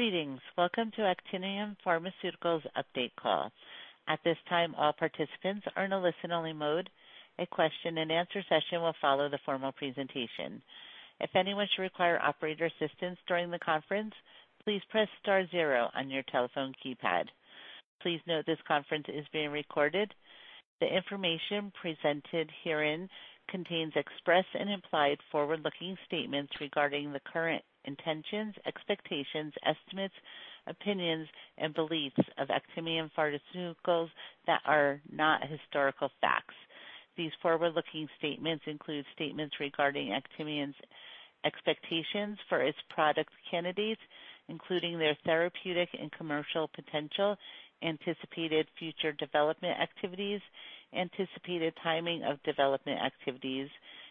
Greetings. Welcome to Actinium Pharmaceuticals update call. At this time, all participants are in a listen-only mode. A question-and-answer session will follow the formal presentation. If anyone should require operator assistance during the conference, please press star zero on your telephone keypad. Please note this conference is being recorded. The information presented herein contains expressed and implied forward-looking statements regarding the current intentions, expectations, estimates, opinions, and beliefs of Actinium Pharmaceuticals that are not historical facts. These forward-looking statements include statements regarding Actinium's expectations for its product candidates, including their therapeutic and commercial potential, anticipated future development activities, anticipated timing of development activities,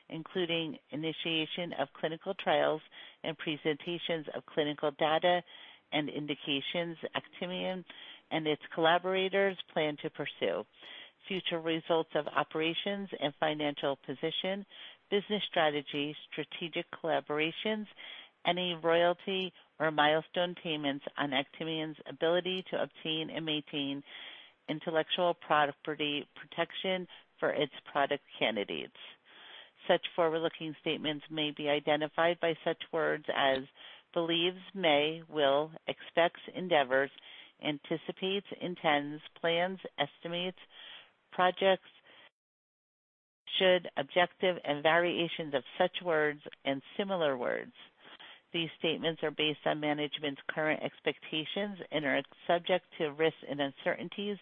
including initiation of clinical trials and presentations of clinical data and indications Actinium and its collaborators plan to pursue. Future results of operations and financial position, business strategy, strategic collaborations, any royalty or milestone payments on Actinium's ability to obtain and maintain intellectual property protection for its product candidates. Such forward-looking statements may be identified by such words as believes, may, will, expects, endeavors, anticipates, intends, plans, estimates, projects, should, objective, and variations of such words and similar words. These statements are based on management's current expectations and are subject to risks and uncertainties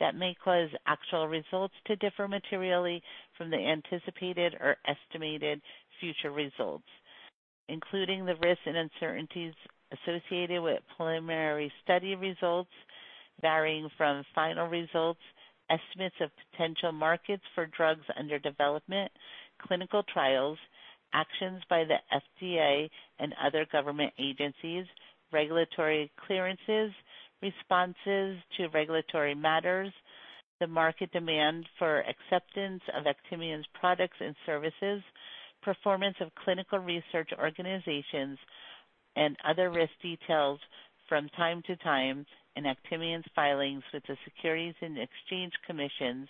that may cause actual results to differ materially from the anticipated or estimated future results, including the risks and uncertainties associated with preliminary study results varying from final results, estimates of potential markets for drugs under development, clinical trials, actions by the FDA and other government agencies, regulatory clearances, responses to regulatory matters, the market demand for acceptance of Actinium's products and services, performance of clinical research organizations, and other risk details from time to time in Actinium's filings with the Securities and Exchange Commission,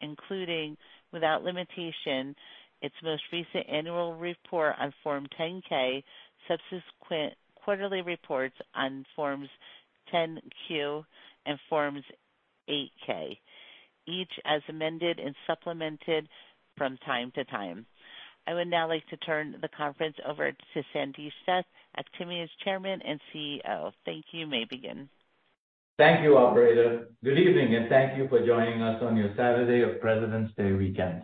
including, without limitation, its most recent annual report on Form 10-K, subsequent quarterly reports on Forms 10-Q and Forms 8-K, each as amended and supplemented from time to time. I would now like to turn the conference over to Sandesh Seth, Actinium's Chairman and CEO. Thank you. You may begin. Thank you, operator. Good evening. Thank you for joining us on your Saturday of President's Day weekend.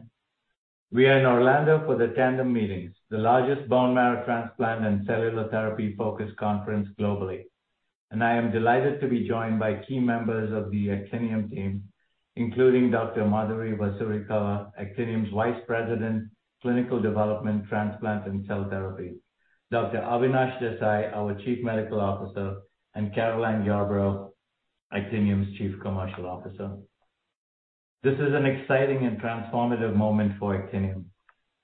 We are in Orlando for the Tandem Meetings, the largest bone marrow transplant and cellular therapy-focused conference globally. I am delighted to be joined by key members of the Actinium team, including Dr. Madhuri Vusirikala, Actinium's Vice President, Clinical Development, Transplant, and Cell Therapy, Dr. Avinash Desai, our Chief Medical Officer, and Christine Yarbrough, Actinium's Chief Commercial Officer. This is an exciting and transformative moment for Actinium.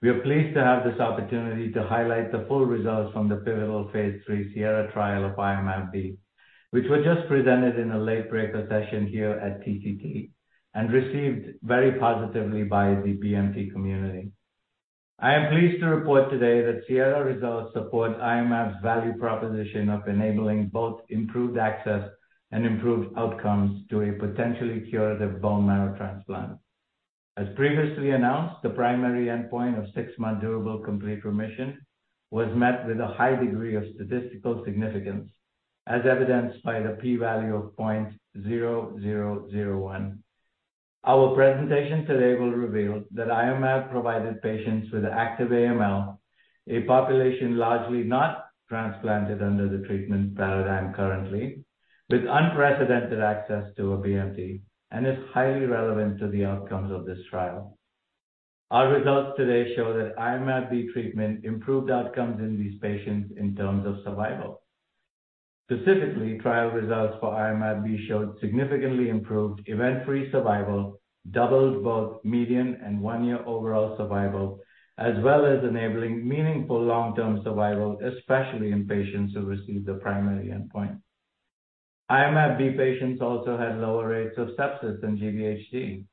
We are pleased to have this opportunity to highlight the full results from the pivotal phase III SIERRA trial of Iomab-B, which were just presented in a late-breaker session here at TCT and received very positively by the BMT community. I am pleased to report today that SIERRA results support Iomab's value proposition of enabling both improved access and improved outcomes to a potentially curative bone marrow transplant. As previously announced, the primary endpoint of six month durable complete remission was met with a high degree of statistical significance, as evidenced by the P value of 0.0001. Our presentation today will reveal that Iomab provided patients with active AML, a population largely not transplanted under the treatment paradigm currently, with unprecedented access to a BMT and is highly relevant to the outcomes of this trial. Our results today show that Iomab-B treatment improved outcomes in these patients in terms of survival. Specifically, trial results for Iomab-B showed significantly improved event-free survival, doubled both median and one year overall survival, as well as enabling meaningful long-term survival, especially in patients who received the primary endpoint. Iomab-B patients also had lower rates of sepsis than GVHD.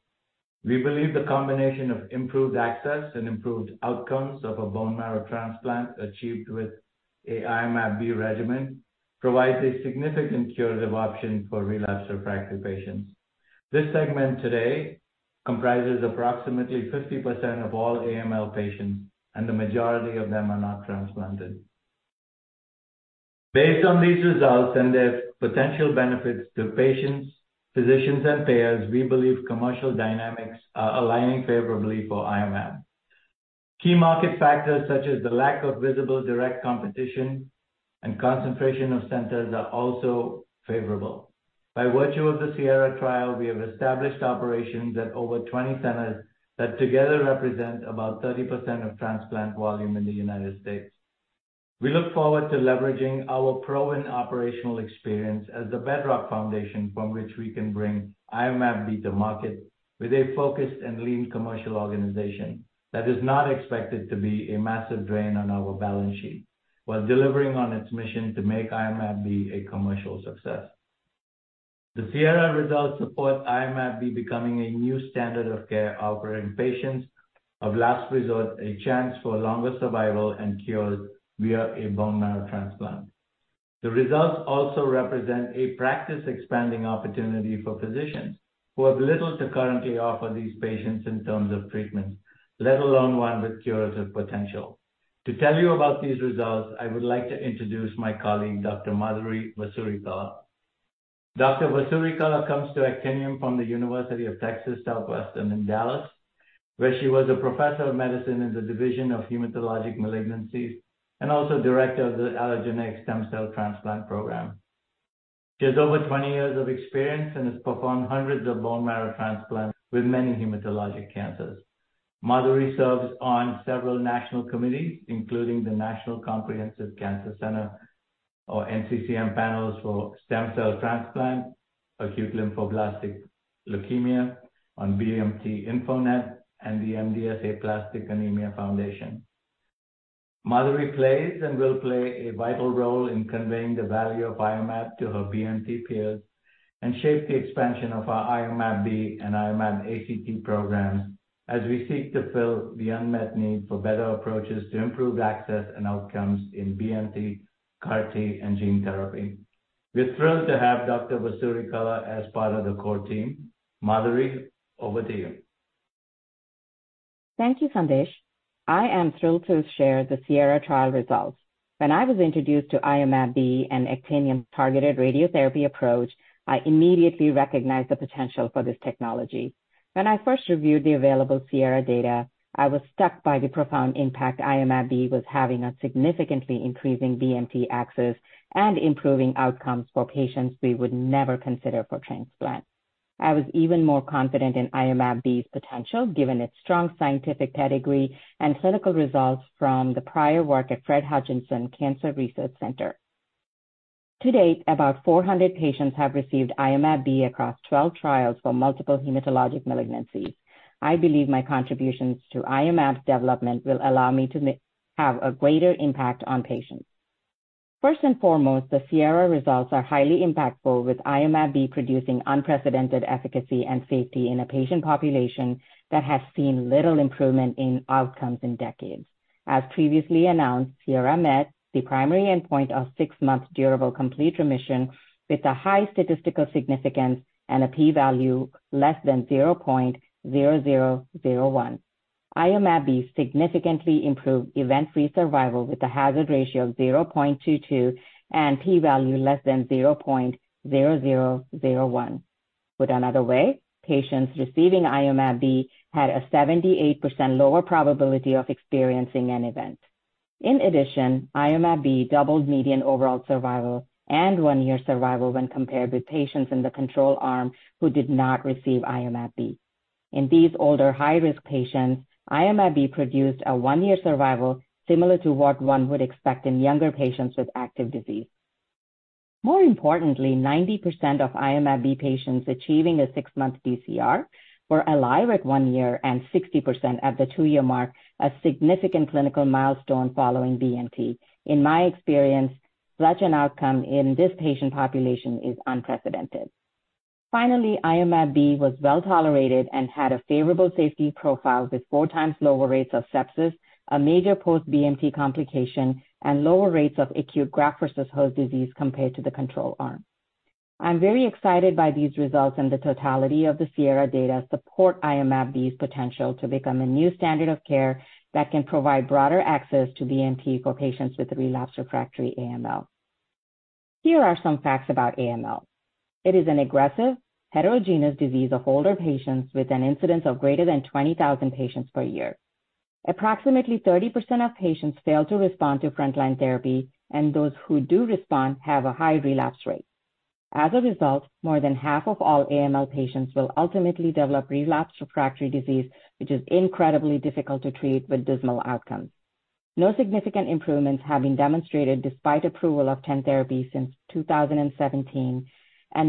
We believe the combination of improved access and improved outcomes of a bone marrow transplant achieved with a Iomab-B regimen provides a significant curative option for relapsed refractory patients. This segment today comprises approximately 50% of all AML patients, and the majority of them are not transplanted. Based on these results and their potential benefits to patients, physicians, and payers, we believe commercial dynamics are aligning favorably for Iomab. Key market factors such as the lack of visible direct competition and concentration of centers are also favorable. By virtue of the SIERRA trial, we have established operations at over 20 centers that together represent about 30% of transplant volume in the United States. We look forward to leveraging our proven operational experience as the bedrock foundation from which we can bring Iomab-B to market with a focused and lean commercial organization that is not expected to be a massive drain on our balance sheet while delivering on its mission to make Iomab-B a commercial success. The SIERRA results support Iomab-B becoming a new standard of care, offering patients of last resort a chance for longer survival and cure via a bone marrow transplant. The results also represent a practice-expanding opportunity for physicians who have little to currently offer these patients in terms of treatments, let alone one with curative potential. To tell you about these results, I would like to introduce my colleague, Dr. Madhuri Vusirikala. Dr. Vusirikala comes to Actinium from UT Southwestern Medical Center in Dallas, where she was a Professor of Medicine in the Division of Hematologic Malignancies and also Director of the Allogeneic Stem Cell Transplant Program. She has over 20 years of experience and has performed hundreds of bone marrow transplants with many hematologic cancers. Madhuri serves on several national committees, including the National Comprehensive Cancer Network or NCCN panels for stem cell transplant, acute lymphoblastic leukemia on BMT InfoNet and the Aplastic Anemia and MDS International Foundation. Madhuri plays and will play a vital role in conveying the value of Iomab to her BMT peers and shape the expansion of our Iomab-B and Iomab-ACT programs as we seek to fill the unmet need for better approaches to improve access and outcomes in BMT, CAR-T, and gene therapy. We're thrilled to have Dr. Vusirikala as part of the core team. Madhuri, over to you. Thank you, Sandesh. I am thrilled to share the SIERRA trial results. When I was introduced to Iomab-B and Actinium's targeted radiotherapy approach, I immediately recognized the potential for this technology. When I first reviewed the available SIERRA data, I was struck by the profound impact Iomab-B was having on significantly increasing BMT access and improving outcomes for patients we would never consider for transplant. I was even more confident in Iomab-B's potential, given its strong scientific pedigree and clinical results from the prior work at Fred Hutchinson Cancer Center. To date, about 400 patients have received Iomab-B across 12 trials for multiple hematologic malignancies. I believe my contributions to Iomab's development will allow me to have a greater impact on patients. First and foremost, the SIERRA results are highly impactful, with Iomab-B producing unprecedented efficacy and safety in a patient population that has seen little improvement in outcomes in decades. As previously announced, SIERRA met the primary endpoint of 6-month durable complete remission with a high statistical significance and a P value less than 0.0001. Iomab-B significantly improved event-free survival with a hazard ratio of 0.22 and P value less than 0.0001. Put another way, patients receiving Iomab-B had a 78% lower probability of experiencing an event. In addition, Iomab-B doubled median overall survival and one year survival when compared with patients in the control arm who did not receive Iomab-B. In these older high-risk patients, Iomab-B produced a one year survival similar to what one would expect in younger patients with active disease. More importantly, 90% of Iomab-B patients achieving a six-month DCR were alive at one year and 60% at the two-year mark, a significant clinical milestone following BMT. In my experience, such an outcome in this patient population is unprecedented. Finally, Iomab-B was well-tolerated and had a favorable safety profile with 4x lower rates of sepsis, a major post-BMT complication, and lower rates of acute graft versus host disease compared to the control arm. I'm very excited by these results, and the totality of the SIERRA data support Iomab-B's potential to become a new standard of care that can provide broader access to BMT for patients with relapsed refractory AML. Here are some facts about AML. It is an aggressive heterogeneous disease of older patients with an incidence of greater than 20,000 patients per year. Approximately 30% of patients fail to respond to frontline therapy. Those who do respond have a high relapse rate. As a result, more than half of all AML patients will ultimately develop relapse refractory disease, which is incredibly difficult to treat with dismal outcomes. No significant improvements have been demonstrated despite approval of 10 therapies since 2017.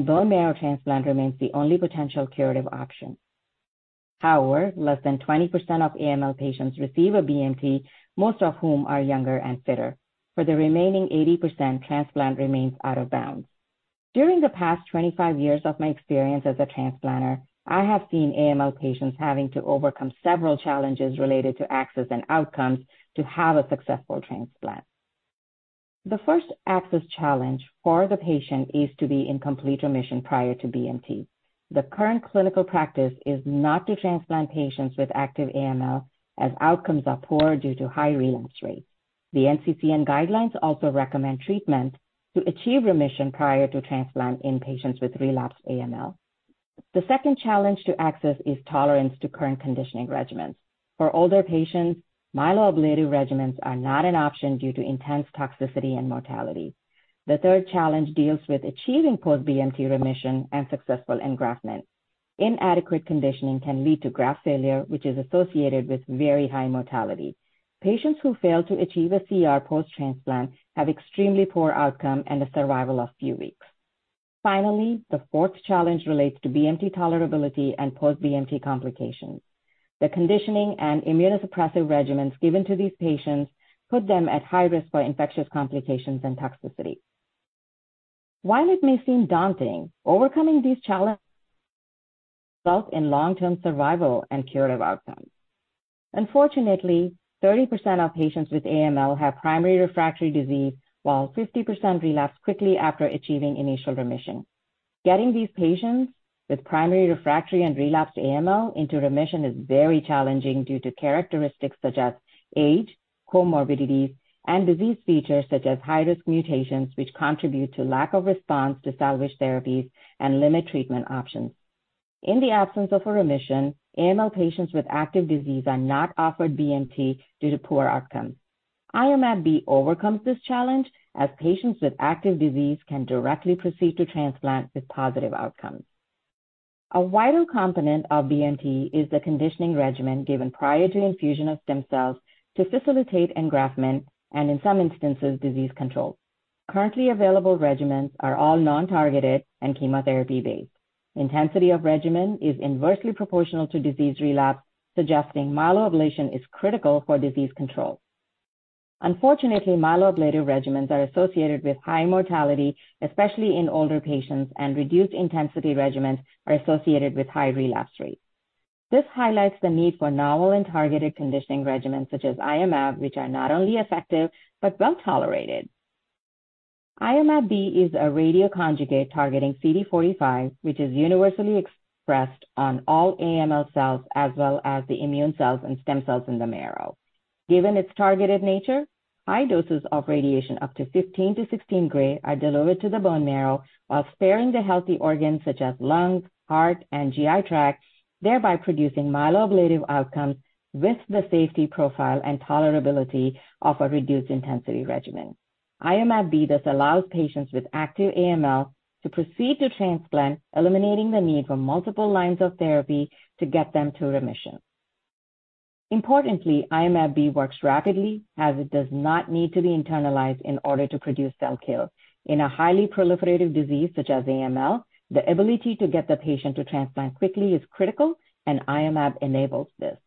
Bone marrow transplant remains the only potential curative option. However, less than 20% of AML patients receive a BMT, most of whom are younger and fitter. For the remaining 80%, transplant remains out of bounds. During the past 25 years of my experience as a transplanter, I have seen AML patients having to overcome several challenges related to access and outcomes to have a successful transplant. The first access challenge for the patient is to be in complete remission prior to BMT. The current clinical practice is not to transplant patients with active AML, as outcomes are poor due to high relapse rates. The NCCN guidelines also recommend treatment to achieve remission prior to transplant in patients with relapsed AML. The second challenge to access is tolerance to current conditioning regimens. For older patients, myeloablative regimens are not an option due to intense toxicity and mortality. The third challenge deals with achieving post-BMT remission and successful engraftment. Inadequate conditioning can lead to graft failure, which is associated with very high mortality. Patients who fail to achieve a CR post-transplant have extremely poor outcome and a survival of few weeks. Finally, the fourth challenge relates to BMT tolerability and post-BMT complications. The conditioning and immunosuppressive regimens given to these patients put them at high risk for infectious complications and toxicity. While it may seem daunting, overcoming these challenges result in long-term survival and curative outcomes. Unfortunately, 30% of patients with AML have primary refractory disease, while 50% relapse quickly after achieving initial remission. Getting these patients with primary refractory and relapsed AML into remission is very challenging due to characteristics such as age, comorbidities, and disease features such as high-risk mutations, which contribute to lack of response to salvage therapies and limit treatment options. In the absence of a remission, AML patients with active disease are not offered BMT due to poor outcomes. Iomab-B overcomes this challenge as patients with active disease can directly proceed to transplant with positive outcomes. A vital component of BMT is the conditioning regimen given prior to infusion of stem cells to facilitate engraftment and, in some instances, disease control. Currently available regimens are all non-targeted and chemotherapy-based. Intensity of regimen is inversely proportional to disease relapse, suggesting myeloablation is critical for disease control. Myeloablative regimens are associated with high mortality, especially in older patients, and reduced intensity regimens are associated with high relapse rates. This highlights the need for novel and targeted conditioning regimens such as Iomab-B, which are not only effective but well-tolerated. Iomab-B is a radioconjugate targeting CD45, which is universally expressed on all AML cells as well as the immune cells and stem cells in the marrow. Given its targeted nature, high doses of radiation up to 15-16 gray are delivered to the bone marrow while sparing the healthy organs such as lungs, heart, and GI tract, thereby producing myeloablative outcomes with the safety profile and tolerability of a reduced intensity regimen. Iomab-B thus allows patients with active AML to proceed to transplant, eliminating the need for multiple lines of therapy to get them to remission. Importantly, Iomab-B works rapidly as it does not need to be internalized in order to produce cell kill. In a highly proliferative disease such as AML, the ability to get the patient to transplant quickly is critical, and Iomab-B enables this.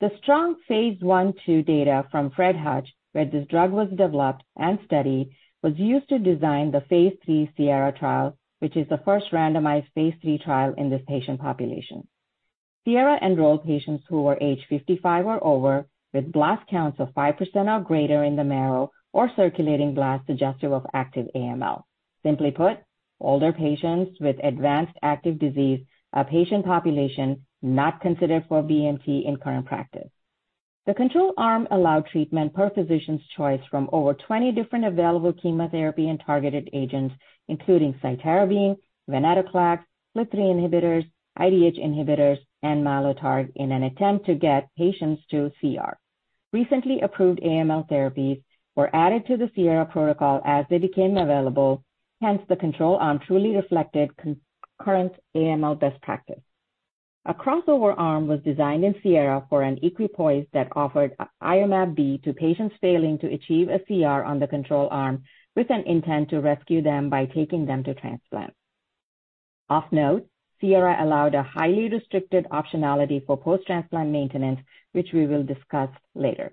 The strong phase I, II data from Fred Hutch, where this drug was developed and studied, was used to design the phase III SIERRA trial, which is the first randomized phase III trial in this patient population. SIERRA enrolled patients who were aged 55 or over with blast counts of 5% or greater in the marrow or circulating blast suggestive of active AML. Simply put, older patients with advanced active disease, a patient population not considered for BMT in current practice. The control arm allowed treatment per physician's choice from over 20 different available chemotherapy and targeted agents, including Cytarabine, Venetoclax, FLT3 inhibitors, IDH inhibitors, and Mylotarg, in an attempt to get patients to CR. Recently approved AML therapies were added to the SIERRA protocol as they became available, hence, the control arm truly reflected concurrent AML best practice. A crossover arm was designed in SIERRA for an equipoise that offered Iomab-B to patients failing to achieve a CR on the control arm with an intent to rescue them by taking them to transplant. Of note, SIERRA allowed a highly restricted optionality for post-transplant maintenance, which we will discuss later.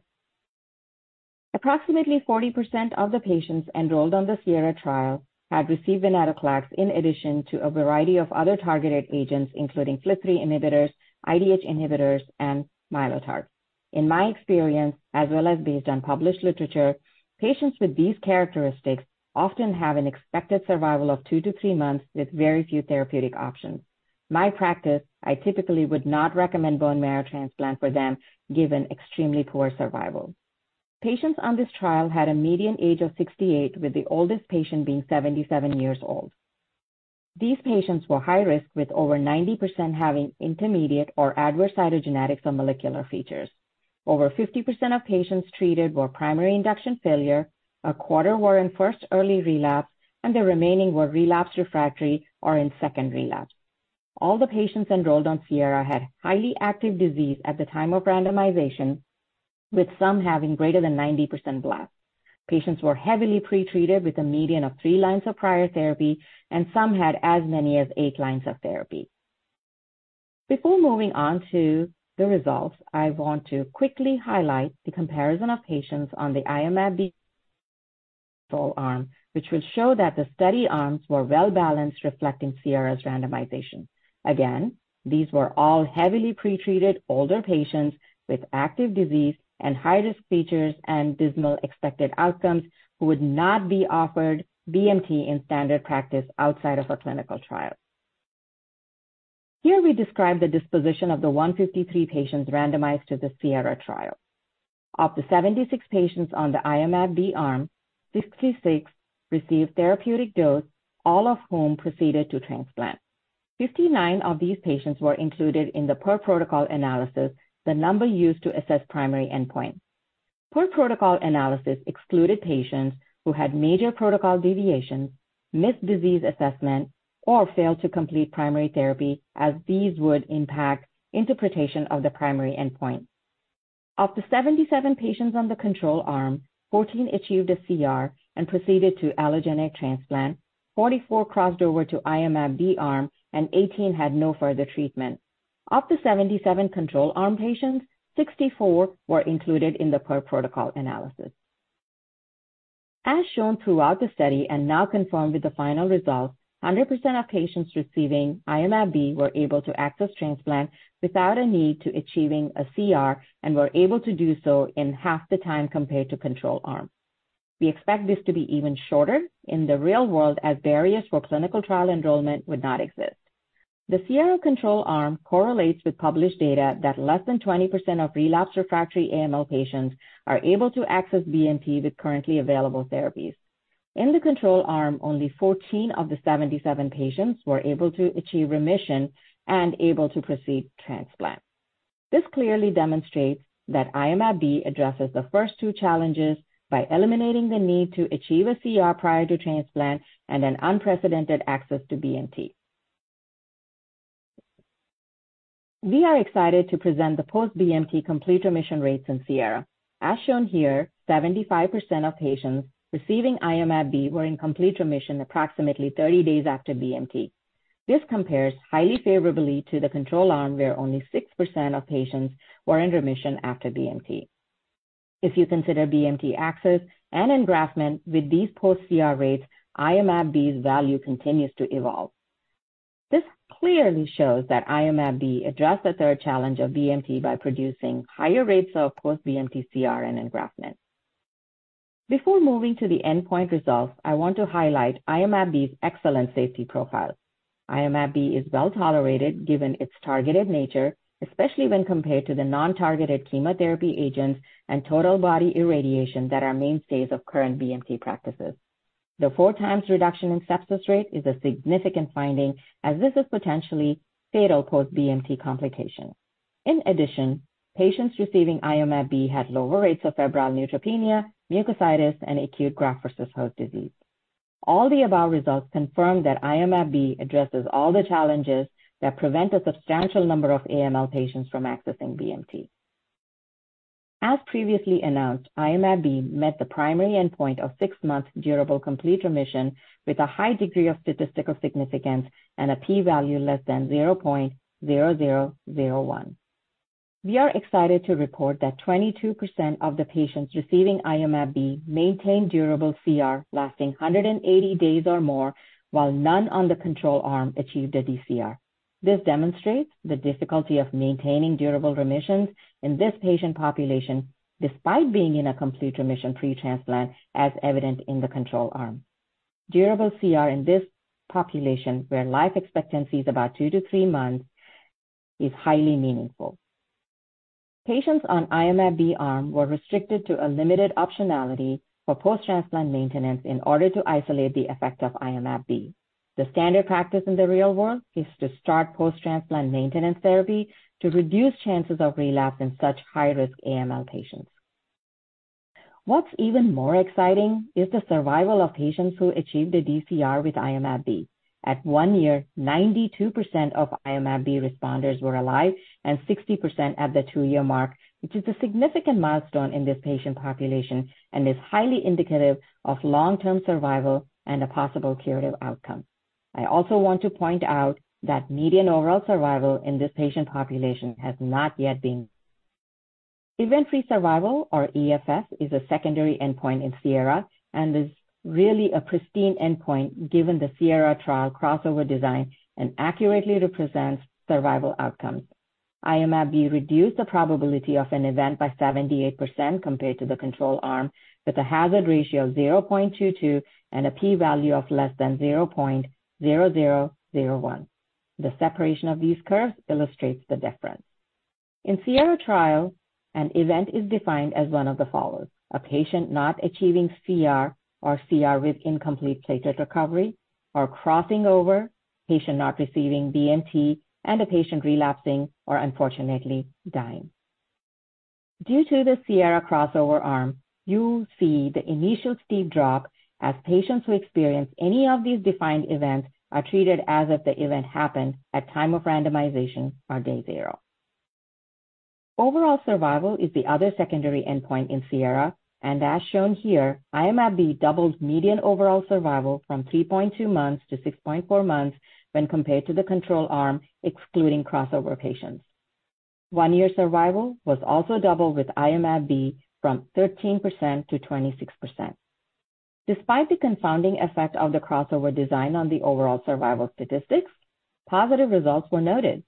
Approximately 40% of the patients enrolled on the SIERRA trial had received Venetoclax in addition to a variety of other targeted agents, including FLT3 inhibitors, IDH inhibitors, and Mylotarg. In my experience, as well as based on published literature, patients with these characteristics often have an expected survival of two to three months with very few therapeutic options. My practice, I typically would not recommend bone marrow transplant for them, given extremely poor survival. Patients on this trial had a median age of 68, with the oldest patient being 77 years old. These patients were high risk, with over 90% having intermediate or adverse cytogenetics or molecular features. Over 50% of patients treated were primary induction failure, 1/4 were in first early relapse, and the remaining were relapse refractory or in second relapse. All the patients enrolled on SIERRA had highly active disease at the time of randomization, with some having greater than 90% blast. Patients were heavily pretreated with a median of three lines of prior therapy, and some had as many as 8 lines of therapy. Before moving on to the results, I want to quickly highlight the comparison of patients on the Iomab-B control arm, which will show that the study arms were well-balanced, reflecting SIERRA's randomization. Again, these were all heavily pretreated older patients with active disease and high-risk features and dismal expected outcomes who would not be offered BMT in standard practice outside of a clinical trial. Here we describe the disposition of the 153 patients randomized to the SIERRA trial. Of the 76 patients on the Iomab-B arm, 66 received therapeutic dose, all of whom proceeded to transplant. 59 of these patients were included in the per protocol analysis, the number used to assess primary endpoint. Per protocol analysis excluded patients who had major protocol deviations, missed disease assessment, or failed to complete primary therapy, as these would impact interpretation of the primary endpoint. Of the 77 patients on the control arm, 14 achieved a CR and proceeded to allogeneic transplant, 44 crossed over to Iomab-B arm, and 18 had no further treatment. Of the 77 control arm patients, 64 were included in the per protocol analysis. As shown throughout the study and now confirmed with the final results, 100% of patients receiving Iomab-B were able to access transplant without a need to achieving a CR and were able to do so in half the time compared to control arm. We expect this to be even shorter in the real world as barriers for clinical trial enrollment would not exist. The SIERRA control arm correlates with published data that less than 20% of relapsed refractory AML patients are able to access BMT with currently available therapies. In the control arm, only 14 of the 77 patients were able to achieve remission and able to proceed transplant. This clearly demonstrates that Iomab-B addresses the first two challenges by eliminating the need to achieve a CR prior to transplant and an unprecedented access to BMT. We are excited to present the post-BMT complete remission rates in SIERRA. As shown here, 75% of patients receiving Iomab-B were in complete remission approximately 30 days after BMT. This compares highly favorably to the control arm, where only 6% of patients were in remission after BMT. If you consider BMT access and engraftment with these post-CR rates, Iomab-B's value continues to evolve. This clearly shows that Iomab-B addressed the third challenge of BMT by producing higher rates of post-BMT CR and engraftment. Before moving to the endpoint results, I want to highlight Iomab-B's excellent safety profile. Iomab-B is well-tolerated given its targeted nature, especially when compared to the non-targeted chemotherapy agents and total body irradiation that are mainstays of current BMT practices. The 4x reduction in sepsis rate is a significant finding as this is potentially fatal post-BMT complication. In addition, patients receiving Iomab-B had lower rates of febrile neutropenia, mucositis, and acute graft versus host disease. All the above results confirm that Iomab-B addresses all the challenges that prevent a substantial number of AML patients from accessing BMT. As previously announced, Iomab-B met the primary endpoint of six months durable complete remission with a high degree of statistical significance and a P value less than 0.0001. We are excited to report that 22% of the patients receiving Iomab-B maintained durable CR lasting 180 days or more, while none on the control arm achieved a DCR. This demonstrates the difficulty of maintaining durable remissions in this patient population despite being in a complete remission pre-transplant as evident in the control arm. Durable CR in this population where life expectancy is about two to three months is highly meaningful. Patients on Iomab-B arm were restricted to a limited optionality for post-transplant maintenance in order to isolate the effect of Iomab-B. The standard practice in the real world is to start post-transplant maintenance therapy to reduce chances of relapse in such high-risk AML patients. What's even more exciting is the survival of patients who achieved a DCR with Iomab-B. At one year, 92% of Iomab-B responders were alive and 60% at the two year mark, which is a significant milestone in this patient population and is highly indicative of long-term survival and a possible curative outcome. I also want to point out that median overall survival in this patient population has not yet been... Event-free survival or EFS is a secondary endpoint in SIERRA and is really a pristine endpoint given the SIERRA trial crossover design and accurately represents survival outcomes. Iomab-B reduced the probability of an event by 78% compared to the control arm with a hazard ratio of 0.22 and a P-value of less than 0.0001. The separation of these curves illustrates the difference. In SIERRA trial, an event is defined as one of the following: a patient not achieving CR or CR with incomplete platelet recovery or crossing over, patient not receiving BMT, and a patient relapsing or unfortunately dying. Due to the SIERRA crossover arm, you see the initial steep drop as patients who experience any of these defined events are treated as if the event happened at time of randomization or day zero. Overall survival is the other secondary endpoint in SIERRA, and as shown here, Iomab-B doubles median overall survival from 3.2 months-6.4 months when compared to the control arm excluding crossover patients. one year survival was also doubled with Iomab-B from 13% -26%. Despite the confounding effect of the crossover design on the overall survival statistics, positive results were noted.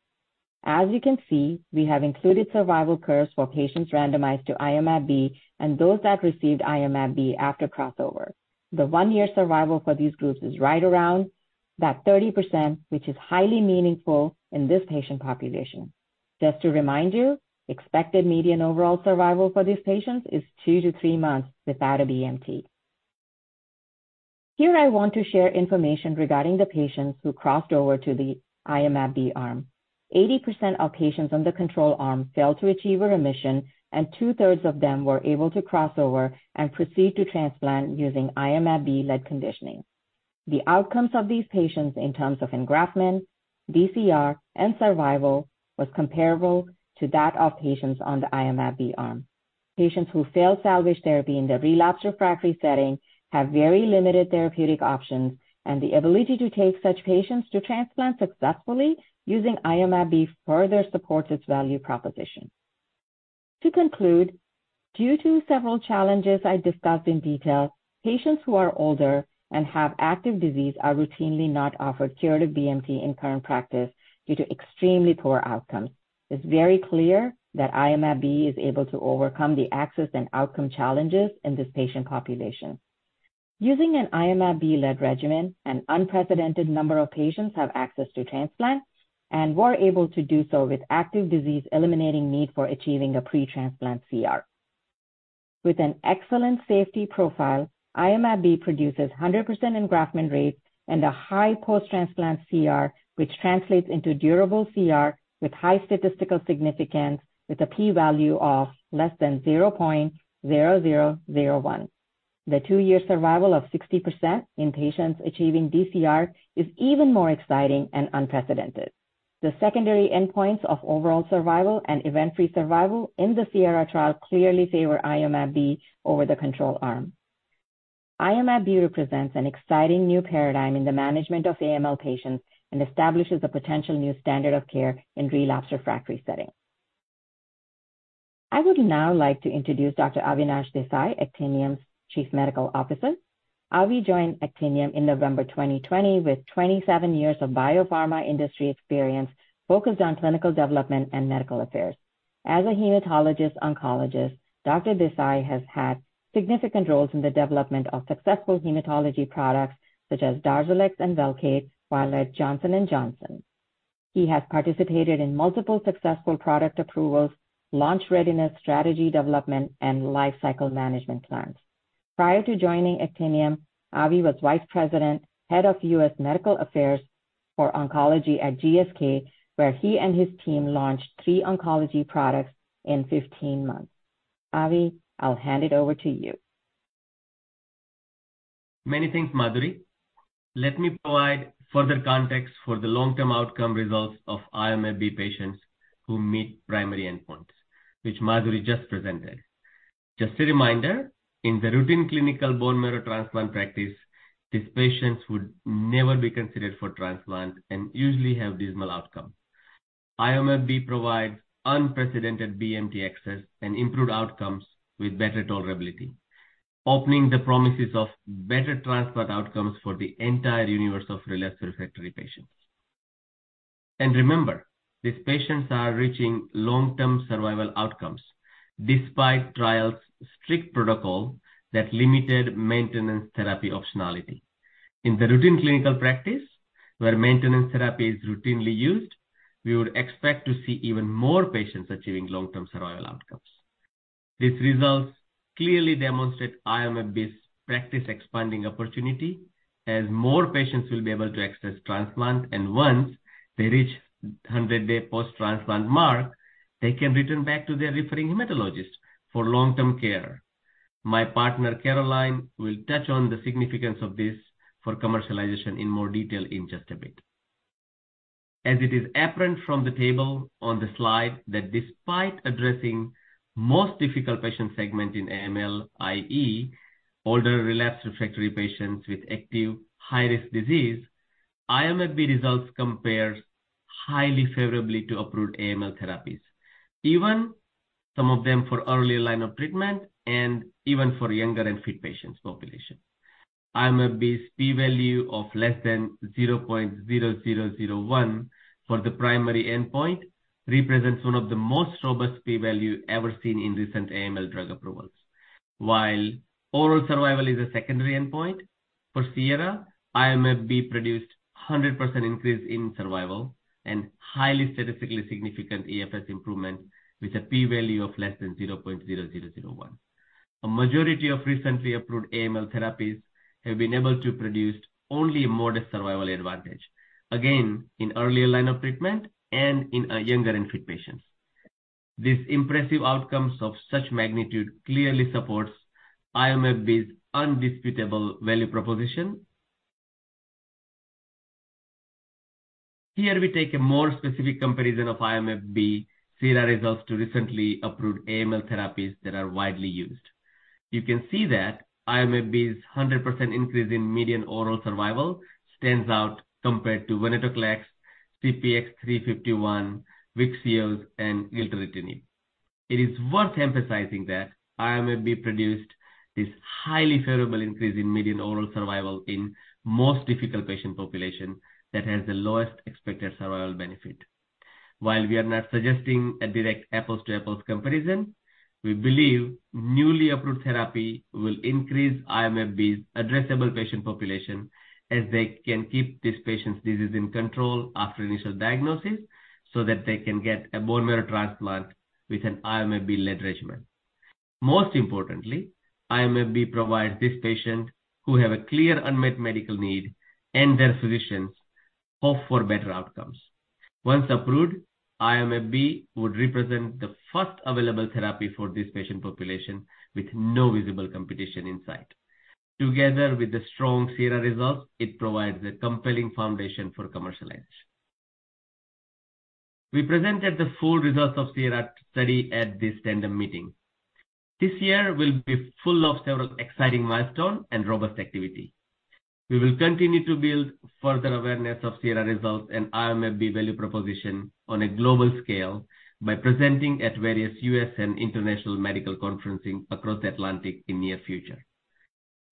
As you can see, we have included survival curves for patients randomized to Iomab-B and those that received Iomab-B after crossover. The one year survival for these groups is right around that 30%, which is highly meaningful in this patient population. Just to remind you, expected median overall survival for these patients is two to three months without a BMT. Here I want to share information regarding the patients who crossed over to the Iomab-B arm. 80% of patients on the control arm failed to achieve a remission, and two-thirds of them were able to cross over and proceed to transplant using Iomab-B-led conditioning. The outcomes of these patients in terms of engraftment, DCR, and survival was comparable to that of patients on the Iomab-B arm. Patients who failed salvage therapy in the relapsed refractory setting have very limited therapeutic options, and the ability to take such patients to transplant successfully using Iomab-B further supports its value proposition. To conclude, due to several challenges I discussed in detail, patients who are older and have active disease are routinely not offered curative BMT in current practice due to extremely poor outcomes. It's very clear that Iomab-B is able to overcome the access and outcome challenges in this patient population. Using an Iomab-B-led regimen, an unprecedented number of patients have access to transplant and were able to do so with active disease, eliminating need for achieving a pre-transplant CR. With an excellent safety profile, Iomab-B produces 100% engraftment rates and a high post-transplant CR, which translates into durable CR with high statistical significance with a P value of less than 0.0001. The two-year survival of 60% in patients achieving DCR is even more exciting and unprecedented. The secondary endpoints of overall survival and event-free survival in the SIERRA trial clearly favor Iomab-B over the control arm. Iomab-B represents an exciting new paradigm in the management of AML patients and establishes a potential new standard of care in relapsed refractory setting. I would now like to introduce Dr. Avinash Desai, Actinium's Chief Medical Officer. Avi joined Actinium in November 2020 with 27 years of biopharma industry experience focused on clinical development and medical affairs. As a hematologist oncologist, Dr. Desai has had significant roles in the development of successful hematology products such as Darzalex and Velcade while at Johnson & Johnson. He has participated in multiple successful product approvals, launch readiness, strategy development, and lifecycle management plans. Prior to joining Actinium, Avi was Vice President, Head of U.S. Medical Affairs for Oncology at GSK, where he and his team launched three oncology products in 15 months. Avi, I'll hand it over to you. Many thanks, Madhuri. Let me provide further context for the long-term outcome results of Iomab-B patients who meet primary endpoints, which Madhuri just presented. Just a reminder, in the routine clinical bone marrow transplant practice, these patients would never be considered for transplant and usually have dismal outcome. Iomab-B provides unprecedented BMT access and improved outcomes with better tolerability, opening the promises of better transplant outcomes for the entire universe of relapsed refractory patients. Remember, these patients are reaching long-term survival outcomes despite trial's strict protocol that limited maintenance therapy optionality. In the routine clinical practice, where maintenance therapy is routinely used, we would expect to see even more patients achieving long-term survival outcomes. These results clearly demonstrate Iomab-B's practice expanding opportunity as more patients will be able to access transplant, and once they reach 100-day post-transplant mark, they can return back to their referring hematologist for long-term care. My partner, Christine, will touch on the significance of this for commercialization in more detail in just a bit. It is apparent from the table on the slide that despite addressing most difficult patient segment in AML, i.e., older relapsed refractory patients with active high-risk disease, Iomab-B results compare highly favorably to approved AML therapies. Even some of them for early line of treatment and even for younger and fit patients population. Iomab-B's P value of less than 0.0001 for the primary endpoint represents one of the most robust P value ever seen in recent AML drug approvals. Overall survival is a secondary endpoint for Sierra, Iomab-B produced 100% increase in survival and highly statistically significant EFS improvement with a P value of less than 0.0001. A majority of recently approved AML therapies have been able to produce only a modest survival advantage, again, in earlier line of treatment and in younger and fit patients. These impressive outcomes of such magnitude clearly supports Iomab-B's undisputable value proposition. Here we take a more specific comparison of Iomab-B SIERRA results to recently approved AML therapies that are widely used. You can see that Iomab-B's 100% increase in median oral survival stands out compared to Venetoclax, CPX-351, Vyxeos, and Gilteritinib. It is worth emphasizing that Iomab-B produced this highly favorable increase in median oral survival in most difficult patient population that has the lowest expected survival benefit. We are not suggesting a direct apples-to-apples comparison, we believe newly approved therapy will increase Iomab-B's addressable patient population as they can keep these patients' disease in control after initial diagnosis, so that they can get a bone marrow transplant with an Iomab-B-led regimen. Most importantly, Iomab-B provides this patient who have a clear unmet medical need and their physicians hope for better outcomes. Once approved, Iomab-B would represent the first available therapy for this patient population with no visible competition in sight. With the strong SIERRA results, it provides a compelling foundation for commercial edge. We presented the full results of SIERRA study at this Tandem Meetings. This year will be full of several exciting milestone and robust activity. We will continue to build further awareness of SIERRA results and Iomab-B value proposition on a global scale by presenting at various U.S. and international medical conferencing across Atlantic in near future.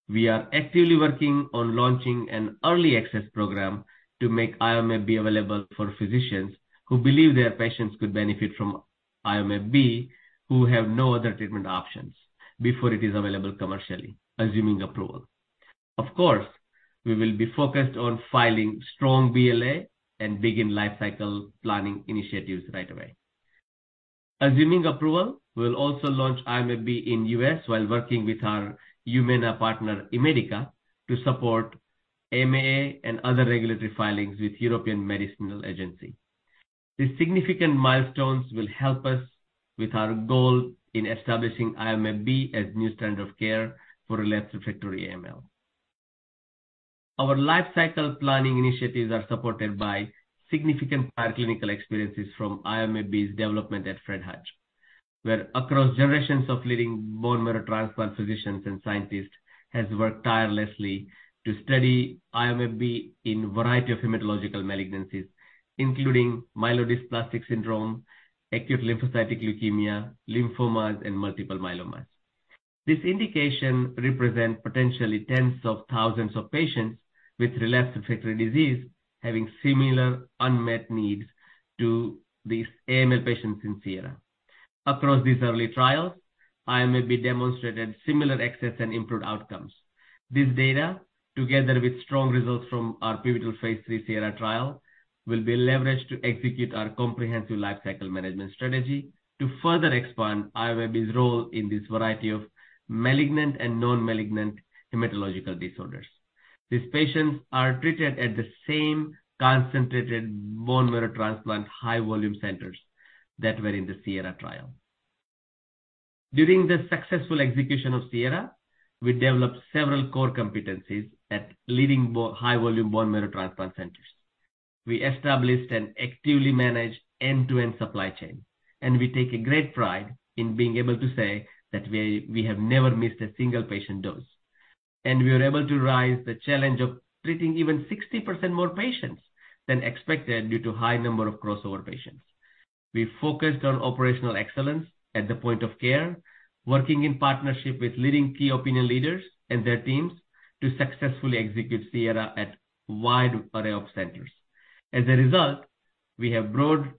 We are actively working on launching an early access program to make Iomab-B available for physicians who believe their patients could benefit from Iomab-B, who have no other treatment options before it is available commercially, assuming approval. We will be focused on filing strong BLA and begin life cycle planning initiatives right away. Assuming approval, we'll also launch Iomab-B in U.S. while working with our Humana partner, Immedica, to support EMA and other regulatory filings with European Medicines Agency. These significant milestones will help us with our goal in establishing Iomab-B as new standard of care for relapsed/refractory AML. Our life cycle planning initiatives are supported by significant prior clinical experiences from Iomab-B's development at Fred Hutch, where across generations of leading bone marrow transplant physicians and scientists has worked tirelessly to study Iomab-B in variety of hematological malignancies, including myelodysplastic syndrome, acute lymphocytic leukemia, lymphomas, and multiple myelomas. This indication represent potentially tens of thousands of patients with relapsed refractory disease having similar unmet needs to these AML patients in SIERRA. Across this early trial, Iomab-B demonstrated similar access and improved outcomes. This data, together with strong results from our pivotal phase III SIERRA trial, will be leveraged to execute our comprehensive life cycle management strategy to further expand Iomab-B's role in this variety of malignant and non-malignant hematological disorders. These patients are treated at the same concentrated bone marrow transplant high-volume centers that were in the SIERRA trial. During the successful execution of Sierra, we developed several core competencies at leading high-volume bone marrow transplant centers. We established and actively manage end-to-end supply chain, and we take a great pride in being able to say that we have never missed a single patient dose. We are able to rise the challenge of treating even 60% more patients than expected due to high number of crossover patients. We focused on operational excellence at the point of care, working in partnership with leading key opinion leaders and their teams to successfully execute Sierra at wide array of centers. As a result, we have broad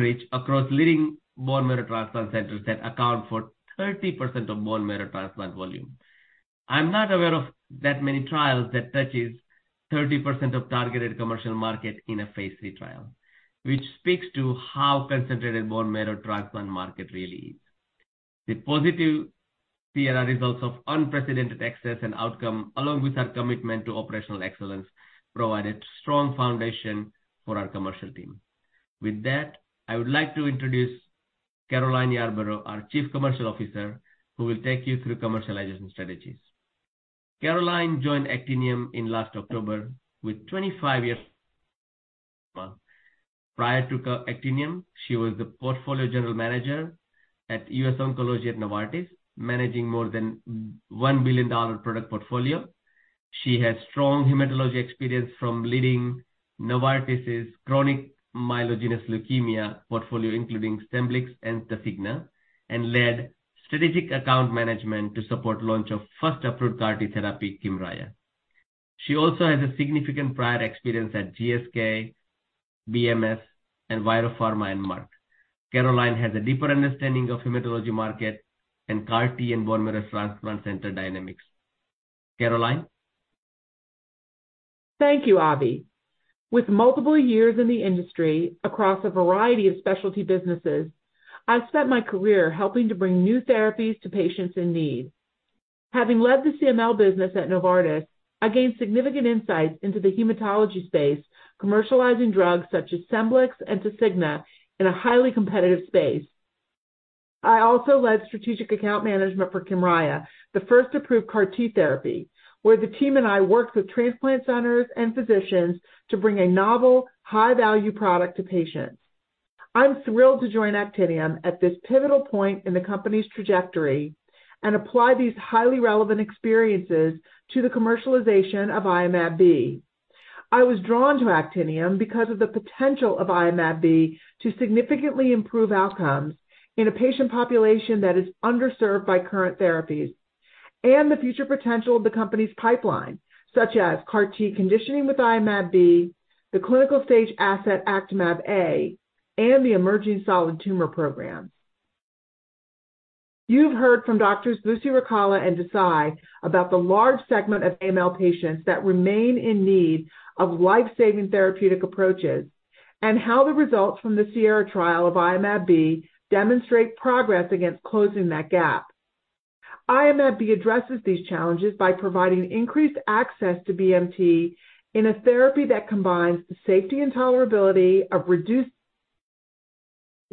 reach across leading bone marrow transplant centers that account for 30% of bone marrow transplant volume. I'm not aware of that many trials that touches 30% of targeted commercial market in a phase III trial, which speaks to how concentrated bone marrow transplant market really is. The positive SIERRA results of unprecedented access and outcome, along with our commitment to operational excellence, provided strong foundation for our commercial team. I would like to introduce Christine Yarbrough, our Chief Commercial Officer, who will take you through commercialization strategies. Christine joined Actinium in last October with 25 years. Prior to Actinium, she was the Portfolio General Manager at U.S. Oncology at Novartis, managing more than $1 billion product portfolio. She has strong hematology experience from leading Novartis' chronic myeloid leukemia portfolio, including Scemblix and Tasigna, and led strategic account management to support launch of first approved CAR-T therapy, Kymriah. She also has a significant prior experience at GSK, BMS, and ViroPharma, and Merck. Christine has a deeper understanding of hematology market and CAR-T and bone marrow transplant center dynamics. Christine? Thank you, Avi. With multiple years in the industry across a variety of specialty businesses, I've spent my career helping to bring new therapies to patients in need. Having led the CML business at Novartis, I gained significant insights into the hematology space, commercializing drugs such as Scemblix and Tasigna in a highly competitive space. I also led strategic account management for Kymriah, the first approved CAR-T therapy, where the team and I worked with transplant centers and physicians to bring a novel, high-value product to patients. I'm thrilled to join Actinium at this pivotal point in the company's trajectory and apply these highly relevant experiences to the commercialization of Iomab-B. I was drawn to Actinium because of the potential of Iomab-B to significantly improve outcomes in a patient population that is underserved by current therapies and the future potential of the company's pipeline, such as CAR-T conditioning with Iomab-B, the clinical stage asset Actimab-A, and the emerging solid tumor programs. You've heard from Doctors Vusirikala and Desai about the large segment of AML patients that remain in need of life-saving therapeutic approaches and how the results from the SIERRA trial of Iomab-B demonstrate progress against closing that gap. Iomab-B addresses these challenges by providing increased access to BMT in a therapy that combines the safety and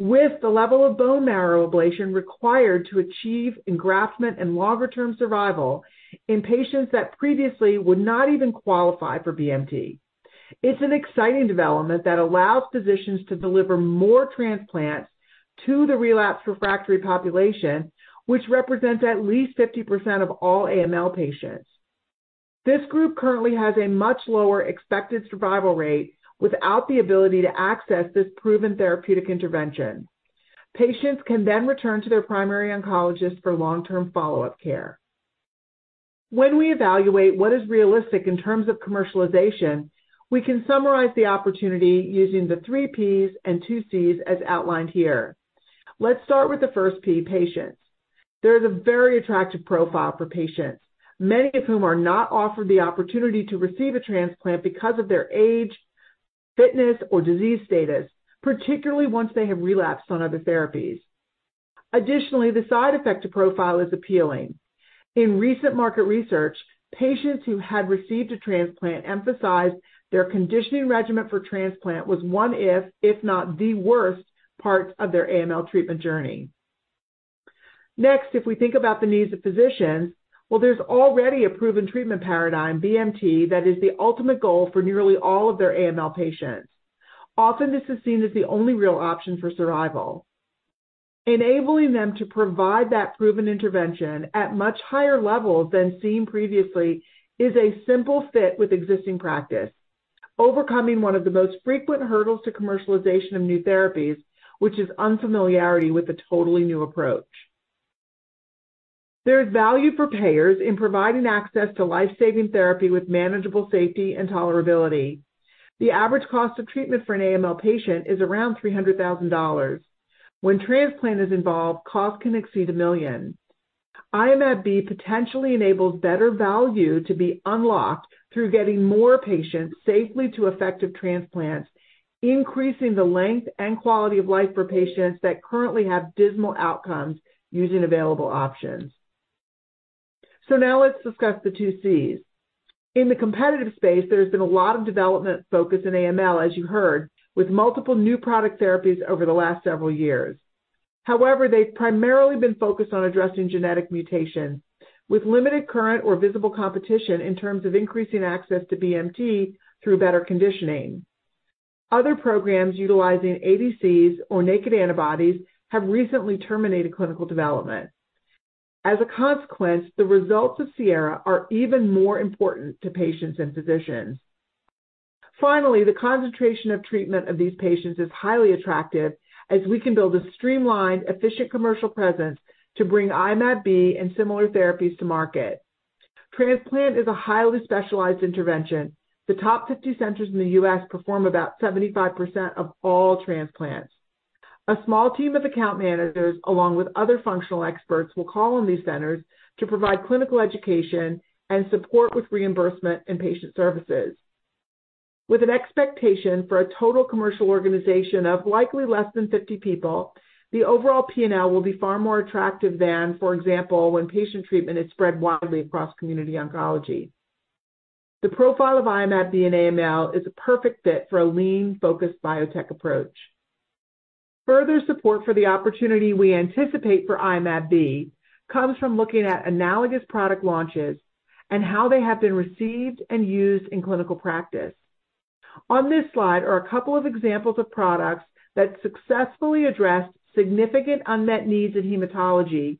tolerability of reduced with the level of bone marrow ablation required to achieve engraftment and longer-term survival in patients that previously would not even qualify for BMT. It's an exciting development that allows physicians to deliver more transplants to the relapsed refractory population, which represents at least 50% of all AML patients. This group currently has a much lower expected survival rate without the ability to access this proven therapeutic intervention. Patients can return to their primary oncologist for long-term follow-up care. When we evaluate what is realistic in terms of commercialization, we can summarize the opportunity using the three Ps and two Cs as outlined here. Let's start with the first P, patients. There is a very attractive profile for patients, many of whom are not offered the opportunity to receive a transplant because of their age, fitness, or disease status, particularly once they have relapsed on other therapies. Additionally, the side effect profile is appealing. In recent market research, patients who had received a transplant emphasized their conditioning regimen for transplant was one if not the worst part of their AML treatment journey. If we think about the needs of physicians, well, there's already a proven treatment paradigm, BMT, that is the ultimate goal for nearly all of their AML patients. Often, this is seen as the only real option for survival. Enabling them to provide that proven intervention at much higher levels than seen previously is a simple fit with existing practice, overcoming one of the most frequent hurdles to commercialization of new therapies, which is unfamiliarity with a totally new approach. There is value for payers in providing access to life-saving therapy with manageable safety and tolerability. The average cost of treatment for an AML patient is around $300,000. When transplant is involved, costs can exceed $1 million. Iomab-B potentially enables better value to be unlocked through getting more patients safely to effective transplants, increasing the length and quality of life for patients that currently have dismal outcomes using available options. Now let's discuss the two Cs. In the competitive space, there has been a lot of development focus in AML, as you heard, with multiple new product therapies over the last several years. However, they've primarily been focused on addressing genetic mutation with limited current or visible competition in terms of increasing access to BMT through better conditioning. Other programs utilizing ADCs or naked antibodies have recently terminated clinical development. As a consequence, the results of SIERRA are even more important to patients and physicians. Finally, the concentration of treatment of these patients is highly attractive as we can build a streamlined, efficient commercial presence to bring Iomab-B and similar therapies to market. Transplant is a highly specialized intervention. The top 50 centers in the U.S. perform about 75% of all transplants. A small team of account managers, along with other functional experts, will call on these centers to provide clinical education and support with reimbursement and patient services. With an expectation for a total commercial organization of likely less than 50 people, the overall P&L will be far more attractive than, for example, when patient treatment is spread widely across community oncology. The profile of Iomab-B and AML is a perfect fit for a lean, focused biotech approach. Further support for the opportunity we anticipate for Iomab-B comes from looking at analogous product launches and how they have been received and used in clinical practice. On this slide are a couple of examples of products that successfully address significant unmet needs in hematology,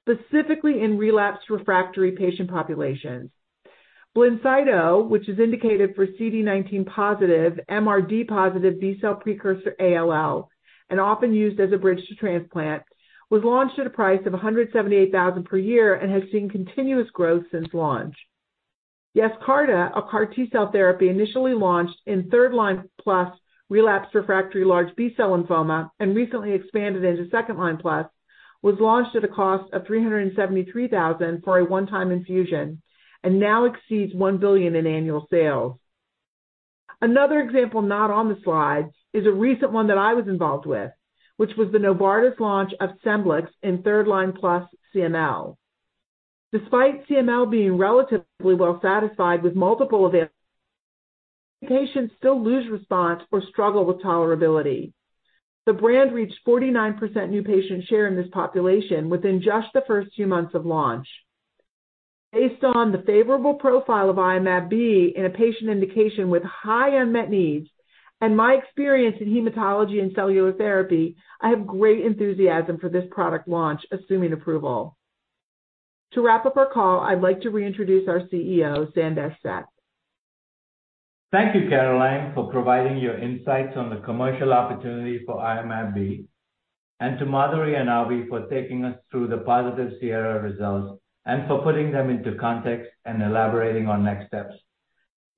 specifically in relapsed refractory patient populations. Blincyto, which is indicated for CD19 positive, MRD positive B-cell precursor ALL, and often used as a bridge to transplant, was launched at a price of $178,000 per year and has seen continuous growth since launch. Yescarta, a CAR T-cell therapy initially launched in third line plus relapsed refractory large B-cell lymphoma and recently expanded into second line plus, was launched at a cost of $373,000 for a one-time infusion and now exceeds $1 billion in annual sales. Another example not on the slide is a recent one that I was involved with, which was the Novartis launch of Scemblix in third line plus CML. Despite CML being relatively well satisfied with multiple events, patients still lose response or struggle with tolerability. The brand reached 49% new patient share in this population within just the first few months of launch. Based on the favorable profile of Iomab-B in a patient indication with high unmet needs and my experience in hematology and cellular therapy, I have great enthusiasm for this product launch, assuming approval. To wrap up our call, I'd like to reintroduce our CEO, Sandesh Seth. Thank you, Christine, for providing your insights on the commercial opportunity for Iomab-B, and to Madhuri and Avi for taking us through the positive SIERRA results and for putting them into context and elaborating on next steps.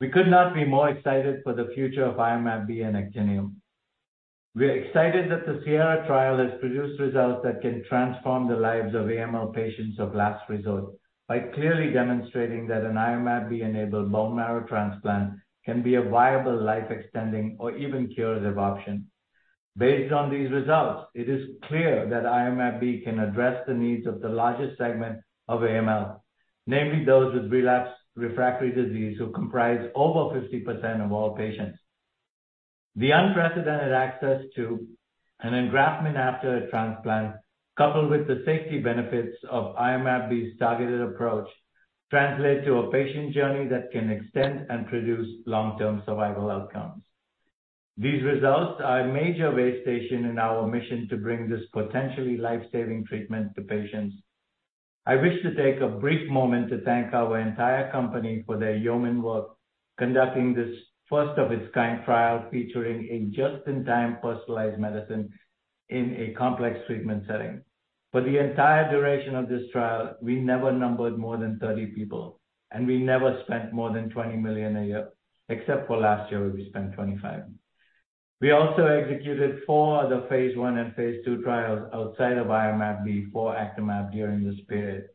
We could not be more excited for the future of Iomab-B and Actinium. We're excited that the SIERRA trial has produced results that can transform the lives of AML patients of last resort by clearly demonstrating that an Iomab-B-enabled bone marrow transplant can be a viable life-extending or even curative option. Based on these results, it is clear that Iomab-B can address the needs of the largest segment of AML, namely those with relapsed/refractory disease who comprise over 50% of all patients. The unprecedented access to an engraftment after a transplant, coupled with the safety benefits of Iomab-B's targeted approach, translate to a patient journey that can extend and produce long-term survival outcomes. These results are a major way station in our mission to bring this potentially life-saving treatment to patients. I wish to take a brief moment to thank our entire company for their yeoman work conducting this first of its kind trial featuring a just-in-time personalized medicine in a complex treatment setting. For the entire duration of this trial, we never numbered more than 30 people, and we never spent more than $20 million a year, except for last year, where we spent $25 million. We also executed four other phase I and phase II trials outside of Iomab-B for Actimab-A during this period.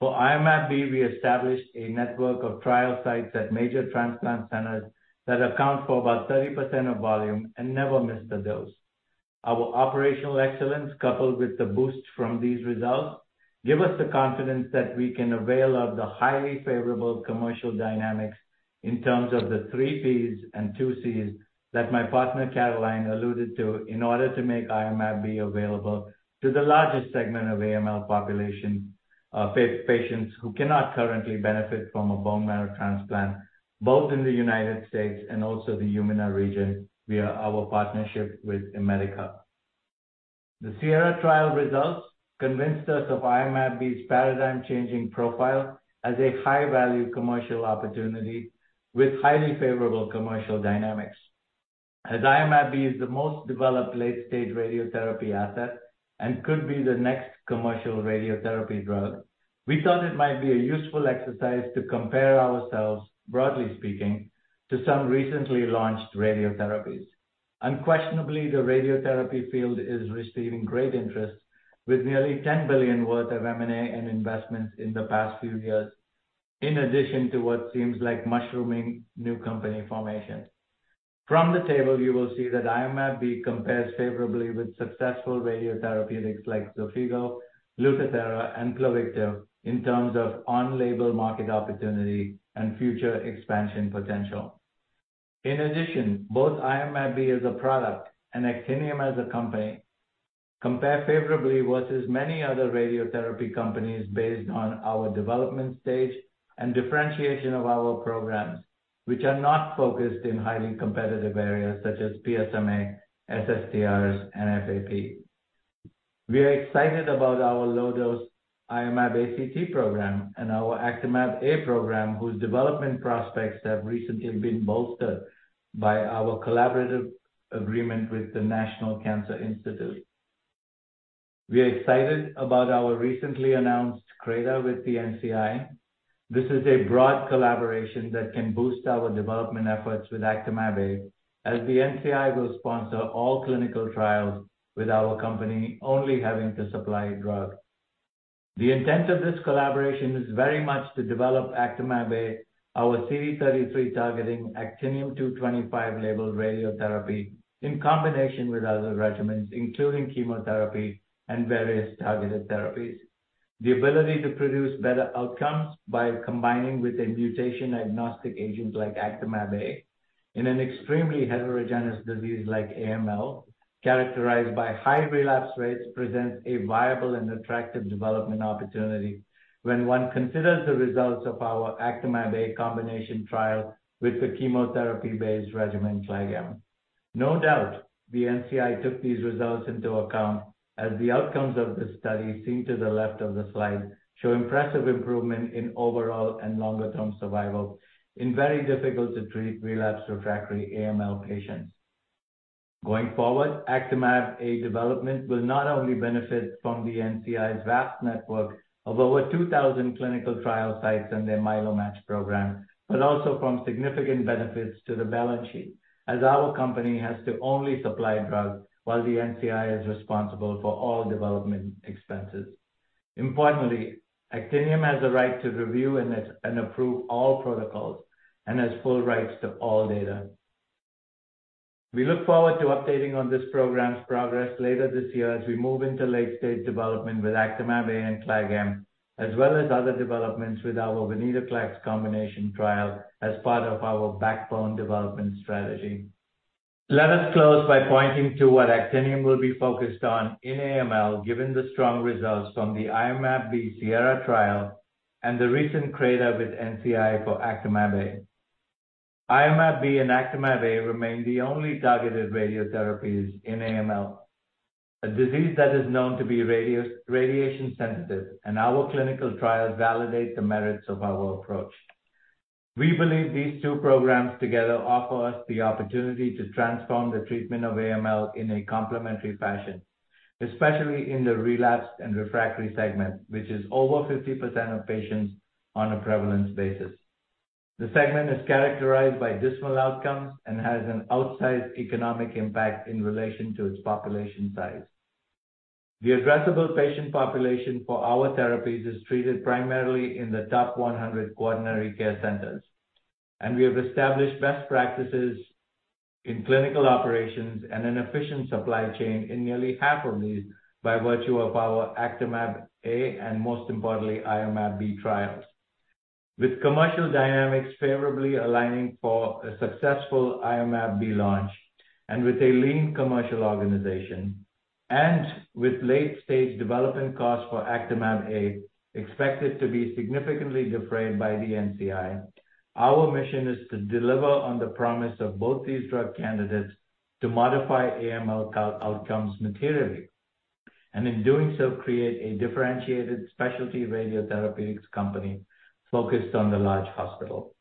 For Iomab-B, we established a network of trial sites at major transplant centers that account for about 30% of volume and never missed a dose. Our operational excellence, coupled with the boost from these results, give us the confidence that we can avail of the highly favorable commercial dynamics in terms of the three Cs and two Cs that my partner Christine alluded to in order to make Iomab-B available to the largest segment of AML population, patients who cannot currently benefit from a bone marrow transplant, both in the United States and also the EUMENA region via our partnership with Immedica. The SIERRA trial results convinced us of Iomab-B's paradigm-changing profile as a high-value commercial opportunity with highly favorable commercial dynamics. As Iomab-B is the most developed late-stage radiotherapy asset and could be the next commercial radiotherapy drug, we thought it might be a useful exercise to compare ourselves, broadly speaking, to some recently launched radiotherapies. Unquestionably, the radiotherapy field is receiving great interest with nearly $10 billion worth of M&A and investments in the past few years, in addition to what seems like mushrooming new company formations. From the table, you will see that Iomab-B compares favorably with successful radiotherapeutics like Xofigo, Lutathera, and Pluvicto in terms of on-label market opportunity and future expansion potential. In addition, both Iomab-B as a product and Actinium as a company compare favorably versus many other radiotherapy companies based on our development stage and differentiation of our programs, which are not focused in highly competitive areas such as PSMA, SSTRs, and FAP. We are excited about our low-dose Iomab-ACT program and our Actimab-A program, whose development prospects have recently been bolstered by our collaborative agreement with the National Cancer Institute. We are excited about our recently announced CRADA with the NCI. This is a broad collaboration that can boost our development efforts with Actimab-A, as the NCI will sponsor all clinical trials with our company only having to supply drug. The intent of this collaboration is very much to develop Actimab-A, our CD33 targeting Actinium-225 labeled radiotherapy, in combination with other regimens, including chemotherapy and various targeted therapies. The ability to produce better outcomes by combining with a mutation-agnostic agent like Actimab-A in an extremely heterogeneous disease like AML, characterized by high relapse rates, presents a viable and attractive development opportunity when one considers the results of our Actimab-A combination trial with the chemotherapy-based regimen CLAG-M. No doubt, the NCI took these results into account as the outcomes of this study seen to the left of the slide show impressive improvement in overall and longer-term survival in very difficult to treat relapsed refractory AML patients. Going forward, Actimab-A development will not only benefit from the NCI's vast network of over 2,000 clinical trial sites and their MyeloMatch program, but also from significant benefits to the balance sheet, as our company has to only supply drug while the NCI is responsible for all development expenses. Importantly, Actinium has the right to review and approve all protocols and has full rights to all data. We look forward to updating on this program's progress later this year as we move into late-stage development with Actimab-A and CLAG-M, as well as other developments with our Venetoclax combination trial as part of our backbone development strategy. Let us close by pointing to what Actinium will be focused on in AML, given the strong results from the Iomab-B SIERRA trial and the recent CRADA with NCI for Actimab-A. Iomab-B and Actimab-A remain the only targeted radiotherapies in AML, a disease that is known to be radio-radiation sensitive, and our clinical trials validate the merits of our approach. We believe these two programs together offer us the opportunity to transform the treatment of AML in a complementary fashion, especially in the relapsed and refractory segment, which is over 50% of patients on a prevalence basis. The segment is characterized by dismal outcomes and has an outsized economic impact in relation to its population size. The addressable patient population for our therapies is treated primarily in the top 100 quaternary care centers. We have established best practices in clinical operations and an efficient supply chain in nearly half of these by virtue of our Actimab-A and most importantly, Iomab-B trials. With commercial dynamics favorably aligning for a successful Iomab-B launch and with a lean commercial organization and with late-stage development costs for Actimab-A expected to be significantly defrayed by the NCI, our mission is to deliver on the promise of both these drug candidates to modify AML outcomes materially, and in doing so, create a differentiated specialty radiotherapeutics company focused on the large hospital.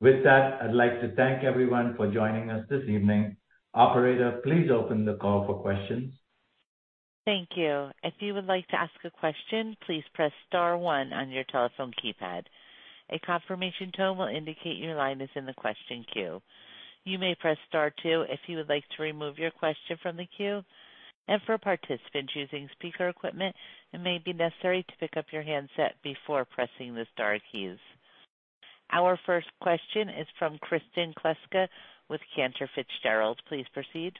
With that, I'd like to thank everyone for joining us this evening. Operator, please open the call for questions. Thank you. If you would like to ask a question, please press star one on your telephone keypad. A confirmation tone will indicate your line is in the question queue. You may press star two if you would like to remove your question from the queue. For participants using speaker equipment, it may be necessary to pick up your handset before pressing the star keys. Our first question is from Kristen Kluska with Cantor Fitzgerald. Please proceed.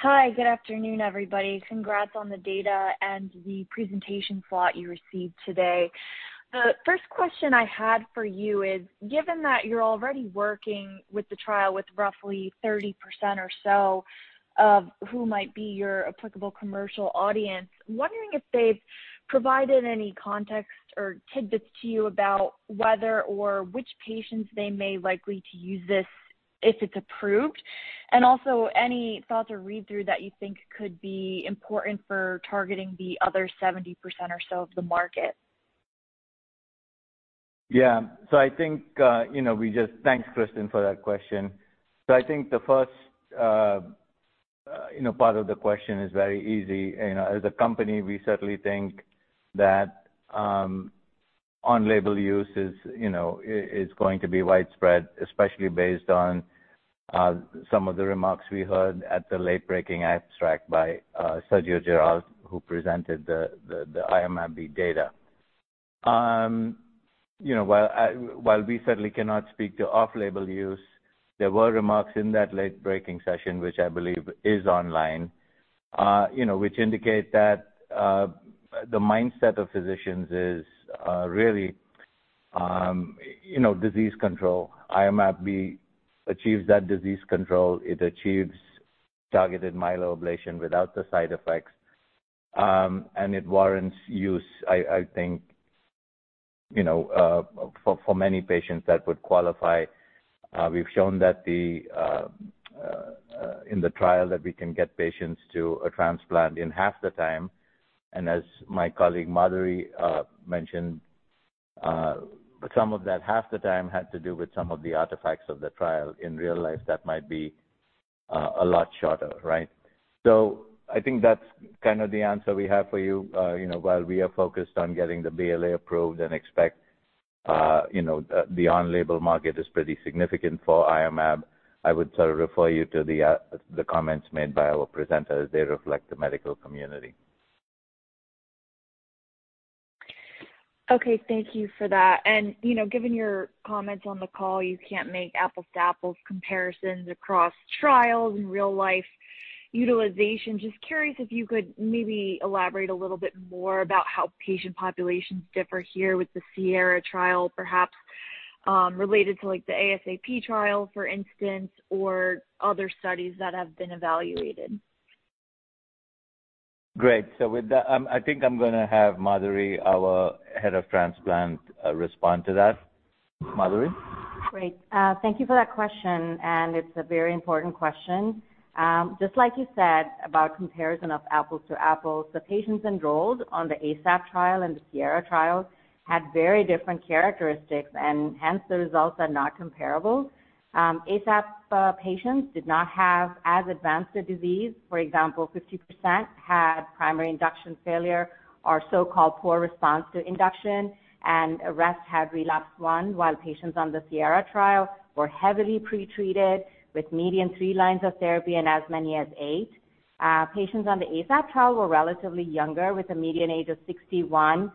Hi, good afternoon, everybody. Congrats on the data and the presentation slot you received today. The first question I had for you is, given that you're already working with the trial with roughly 30% or so of who might be your applicable commercial audience, I'm wondering if they've provided any context or tidbits to you about whether or which patients they may likely to use this if it's approved. Also any thoughts or read-through that you think could be important for targeting the other 70% or so of the market. Yeah. I think, you know, we just. Thanks, Kristen, for that question. I think the first, you know, part of the question is very easy. You know, as a company, we certainly think that, on-label use is, you know, is going to be widespread, especially based on some of the remarks we heard at the late-breaking abstract by Sergio Giralt, who presented the Iomab-B data. You know, while we certainly cannot speak to off-label use, there were remarks in that late-breaking session, which I believe is online, you know, which indicate that the mindset of physicians is really, you know, disease control. Iomab-B achieves that disease control. It achieves targeted myeloablation without the side effects. And it warrants use, I think, you know, for many patients that would qualify. We've shown that in the trial that we can get patients to a transplant in half the time. As my colleague Madhuri mentioned, some of that half the time had to do with some of the artifacts of the trial. In real life, that might be a lot shorter, right? I think that's kind of the answer we have for you. You know, while we are focused on getting the BLA approved and expect, you know, the on-label market is pretty significant for IMab, I would sort of refer you to the comments made by our presenters. They reflect the medical community. Okay. Thank you for that. You know, given your comments on the call, you can't make apples to apples comparisons across trials and real-life utilization. Just curious if you could maybe elaborate a little bit more about how patient populations differ here with the SIERRA trial, perhaps, related to like the ASAP trial, for instance, or other studies that have been evaluated? Great. With that, I think I'm gonna have Madhuri, our head of transplant, respond to that. Madhuri. Great. Thank you for that question, it's a very important question. Just like you said about comparison of apples to apples, the patients enrolled on the ASAP trial and the SIERRA trial had very different characteristics, hence the results are not comparable. ASAP patients did not have as advanced a disease. For example, 50% had primary induction failure or so-called poor response to induction, the rest had relapsed one, while patients on the SIERRA trial were heavily pretreated with median three lines of therapy and as many as eight. Patients on the ASAP trial were relatively younger, with a median age of 61,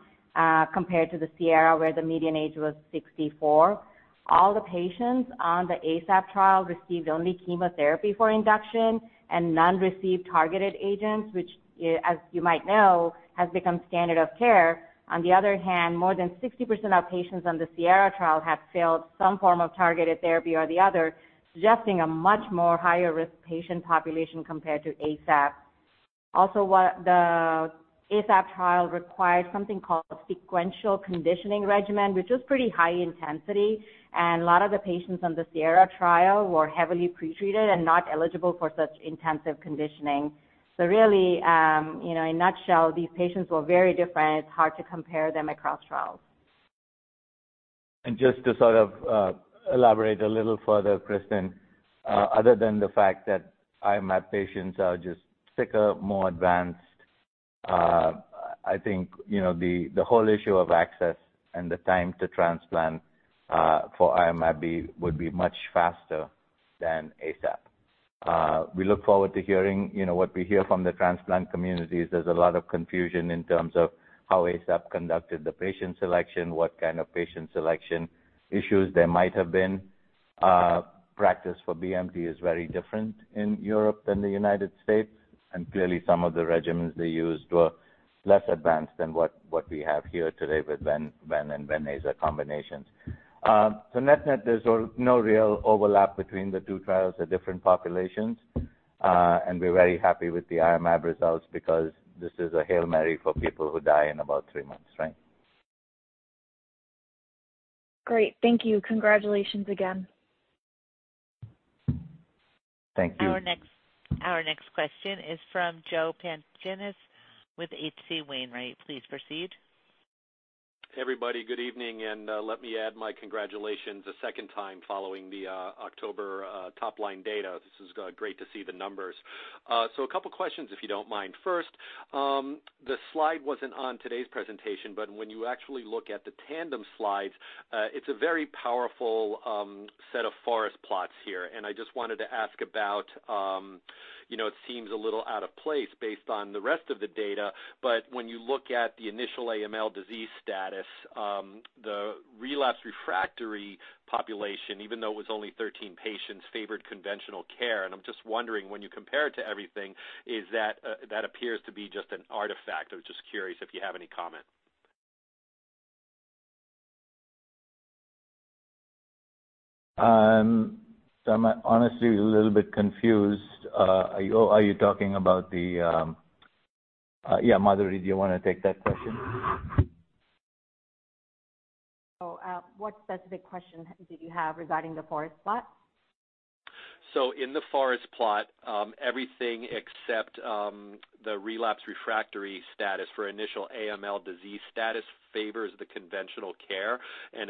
compared to the SIERRA, where the median age was 64. All the patients on the ASAP trial received only chemotherapy for induction. None received targeted agents, which as you might know, has become standard of care. On the other hand, more than 60% of patients on the SIERRA trial had failed some form of targeted therapy or the other, suggesting a much more higher risk patient population compared to ASAP. Also what the ASAP trial required something called sequential conditioning regimen, which was pretty high intensity. A lot of the patients on the SIERRA trial were heavily pretreated and not eligible for such intensive conditioning. Really, you know, in a nutshell, these patients were very different. It's hard to compare them across trials. Just to sort of elaborate a little further, Kristen, other than the fact that Iomab patients are just sicker, more advanced. I think, you know, the whole issue of access and the time to transplant for Iomab would be much faster than ASAP. We look forward to hearing, you know, what we hear from the transplant communities. There's a lot of confusion in terms of how ASAP conducted the patient selection, what kind of patient selection issues there might have been. Practice for BMT is very different in Europe than the United States, and clearly some of the regimens they used were less advanced than what we have here today with ven and Ven-Aza combinations. Net-net, there's no real overlap between the two trials, they're different populations. We're very happy with the Iomab results because this is a Hail Mary for people who die in about three months. Right? Great. Thank you. Congratulations again. Thank you. Our next question is from Joseph Pantginis with H.C. Wainwright. Please proceed. Everybody, good evening, and let me add my congratulations a second time following the October top line data. This is great to see the numbers. A couple questions, if you don't mind. First, the slide wasn't on today's presentation, but when you actually look at the Tandem slides, it's a very powerful set of forest plots here. I just wanted to ask about, you know, it seems a little out of place based on the rest of the data, but when you look at the initial AML disease status, the relapse refractory population, even though it was only 13 patients, favored conventional care. I'm just wondering, when you compare it to everything, is that appears to be just an artifact. I was just curious if you have any comment. I'm honestly a little bit confused. Are you talking about the? Yeah, Madhuri, do you wanna take that question? What specific question did you have regarding the forest plot? In the forest plot, everything except the relapse refractory status for initial AML disease status favors the conventional care,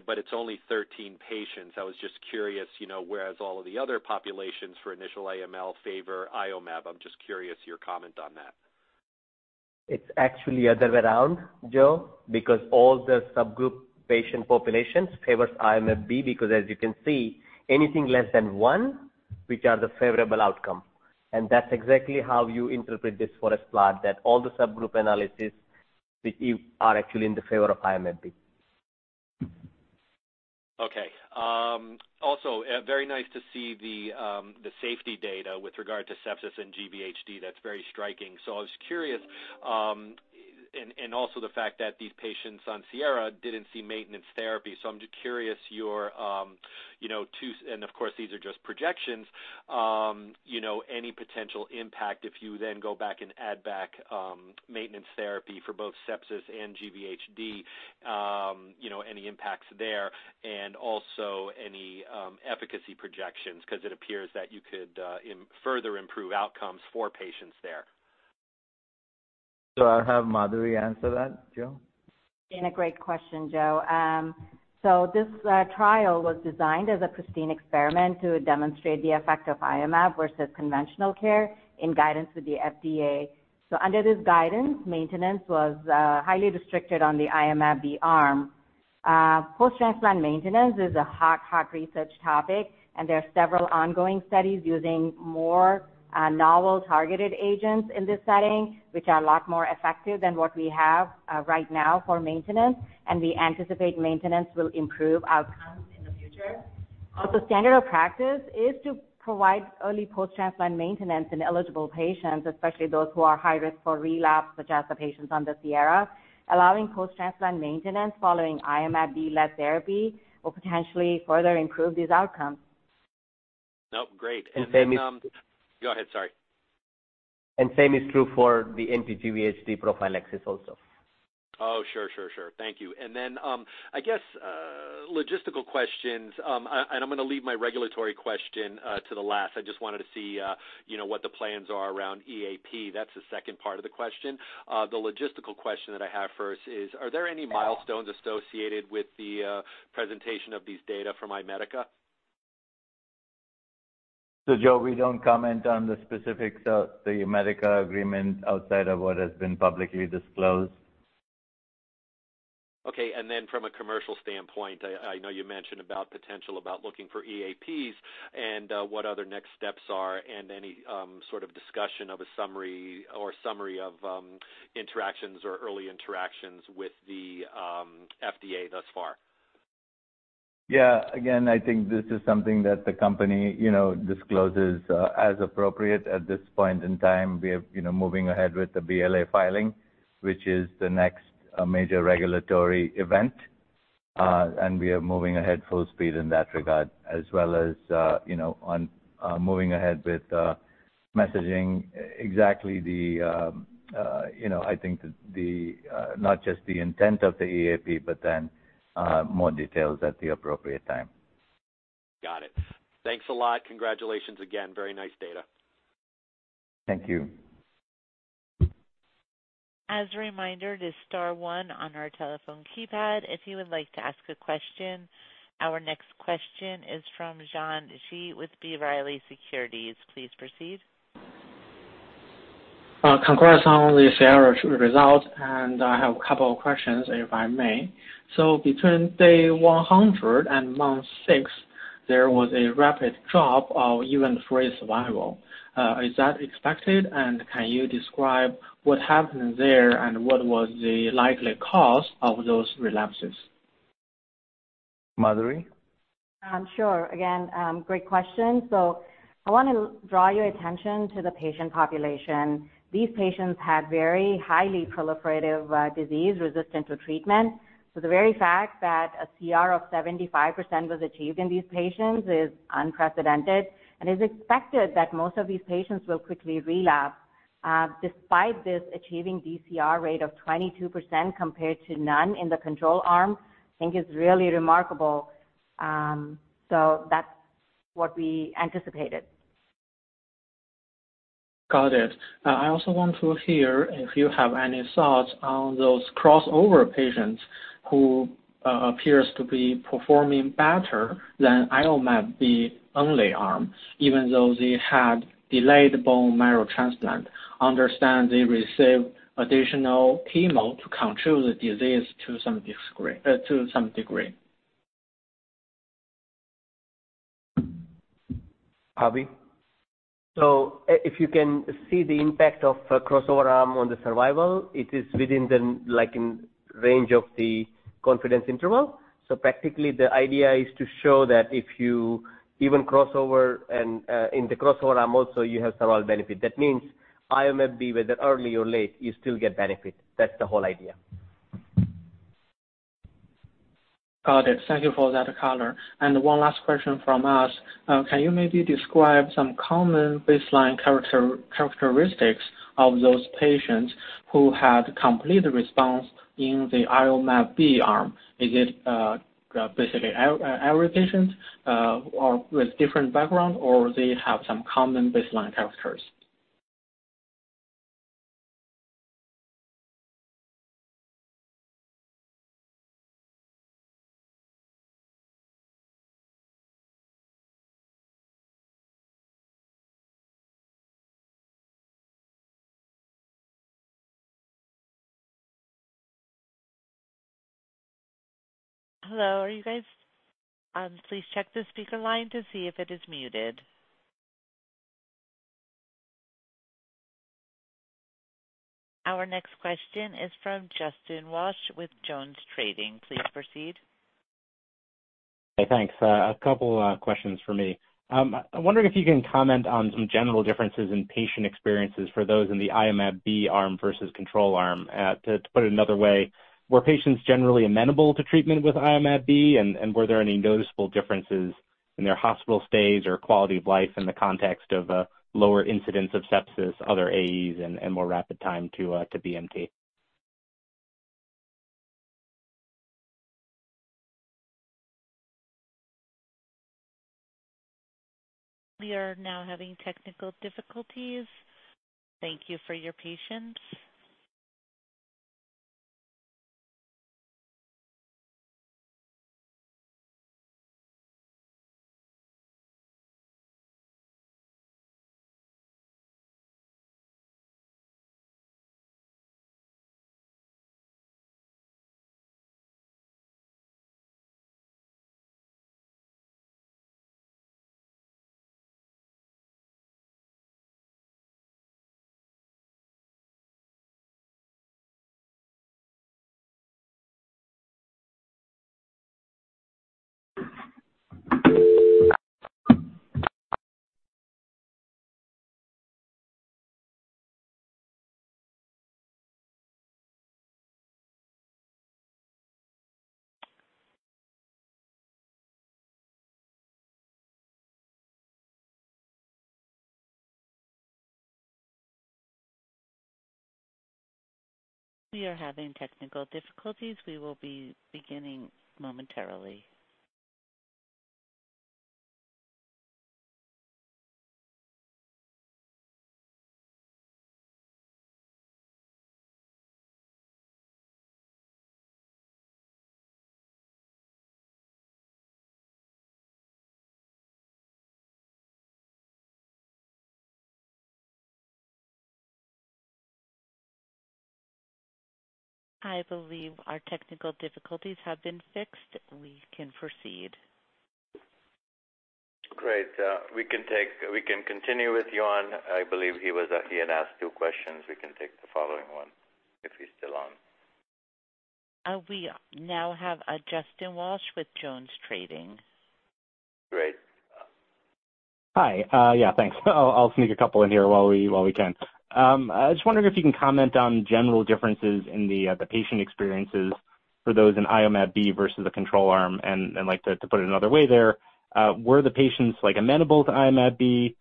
but it's only 13 patients. I was just curious, you know, whereas all of the other populations for initial AML favor IOMab, I'm just curious your comment on that. It's actually other way around, Joe, because all the subgroup patient populations favors IOMab, because as you can see, anything less than one, which are the favorable outcome, and that's exactly how you interpret this forest plot, that all the subgroup analysis with you are actually in the favor of IOMab. Okay. Also very nice to see the safety data with regard to sepsis and GVHD. That's very striking. I was curious, and also the fact that these patients on SIERRA didn't see maintenance therapy. I'm just curious, your, you know, of course, these are just projections, you know, any potential impact if you then go back and add back maintenance therapy for both sepsis and GVHD, you know, any impacts there? Also any efficacy projections, 'cause it appears that you could further improve outcomes for patients there. I'll have Madhuri answer that, Joe. Again, a great question, Joe. This trial was designed as a pristine experiment to demonstrate the effect of Iomab-B versus conventional care in guidance with the FDA. Under this guidance, maintenance was highly restricted on the Iomab-B arm. Post-transplant maintenance is a hot research topic, and there are several ongoing studies using more novel targeted agents in this setting, which are a lot more effective than what we have right now for maintenance. We anticipate maintenance will improve outcomes in the future. Standard of practice is to provide early post-transplant maintenance in eligible patients, especially those who are high risk for relapse, such as the patients under SIERRA. Allowing post-transplant maintenance following Iomab-B led therapy will potentially further improve these outcomes. Oh, great. Same is- Go ahead, sorry. Same is true for the NTGVHD profile access also. Sure, sure. Thank you. I guess, logistical questions, and I'm gonna leave my regulatory question to the last. I just wanted to see, you know, what the plans are around EAP. That's the second part of the question. The logistical question that I have first is, are there any milestones associated with the presentation of these data from Immedica? Joe, we don't comment on the specifics of the Immedica agreement outside of what has been publicly disclosed. Okay. From a commercial standpoint, I know you mentioned about potential about looking for EAPs and what other next steps are and any sort of discussion of a summary or summary of interactions or early interactions with the FDA thus far. Yeah, again, I think this is something that the company, you know, discloses, as appropriate at this point in time. We are, you know, moving ahead with the BLA filing, which is the next major regulatory event. We are moving ahead full speed in that regard as well as, you know, moving ahead with messaging exactly the, you know, I think the, not just the intent of the EAP, but then, more details at the appropriate time. Got it. Thanks a lot. Congratulations again. Very nice data. Thank you. As a reminder, to star one on our telephone keypad if you would like to ask a question. Our next question is from Yuan Zhi with B. Riley Securities. Please proceed. Congrats on the CR results. I have a couple of questions, if I may. Between day 100 and month 6, there was a rapid drop of event-free survival. Is that expected? Can you describe what happened there and what was the likely cause of those relapses? Madhuri? Sure. Again, great question. I wanna draw your attention to the patient population. These patients had very highly proliferative disease resistant to treatment. The very fact that a CR of 75% was achieved in these patients is unprecedented and is expected that most of these patients will quickly relapse. Despite this achieving DCR rate of 22% compared to none in the control arm, I think is really remarkable. That's what we anticipated. Got it. I also want to hear if you have any thoughts on those crossover patients who appears to be performing better than Iomab-B only arm, even though they had delayed bone marrow transplant. Understand they received additional chemo to control the disease to some degree. Avi? If you can see the impact of crossover arm on the survival, it is within the, like, in range of the confidence interval. Practically, the idea is to show that if you even crossover and in the crossover arm also, you have survival benefit. That means Iomab-B, whether early or late, you still get benefit. That's the whole idea. Got it. Thank you for that color. One last question from us. Can you maybe describe some common baseline characteristics of those patients who had complete response in the Iomab-B arm? Is it basically every patient, or with different background or they have some common baseline characters? Hello, are you guys, please check the speaker line to see if it is muted. Our next question is from Justin Walsh with JonesTrading. Please proceed. Hey, thanks. A couple questions from me. I'm wondering if you can comment on some general differences in patient experiences for those in the Iomab-B arm versus control arm? To put it another way, were patients generally amenable to treatment with Iomab-B? Were there any noticeable differences in their hospital stays or quality of life in the context of lower incidents of sepsis, other AEs, and more rapid time to BMT? We are now having technical difficulties. Thank you for your patience. We are having technical difficulties. We will be beginning momentarily. I believe our technical difficulties have been fixed. We can proceed. Great. We can continue with Yuan. I believe he had asked two questions. We can take the following one, if he's still on. We now have a Justin Walsh with Jones Trading. Great. Hi. Yeah, thanks. I'll sneak a couple in here while we can. I was just wondering if you can comment on general differences in the patient experiences for those in Iomab-B versus the control arm. Like, to put it another way there, were the patients like amenable to Iomab-B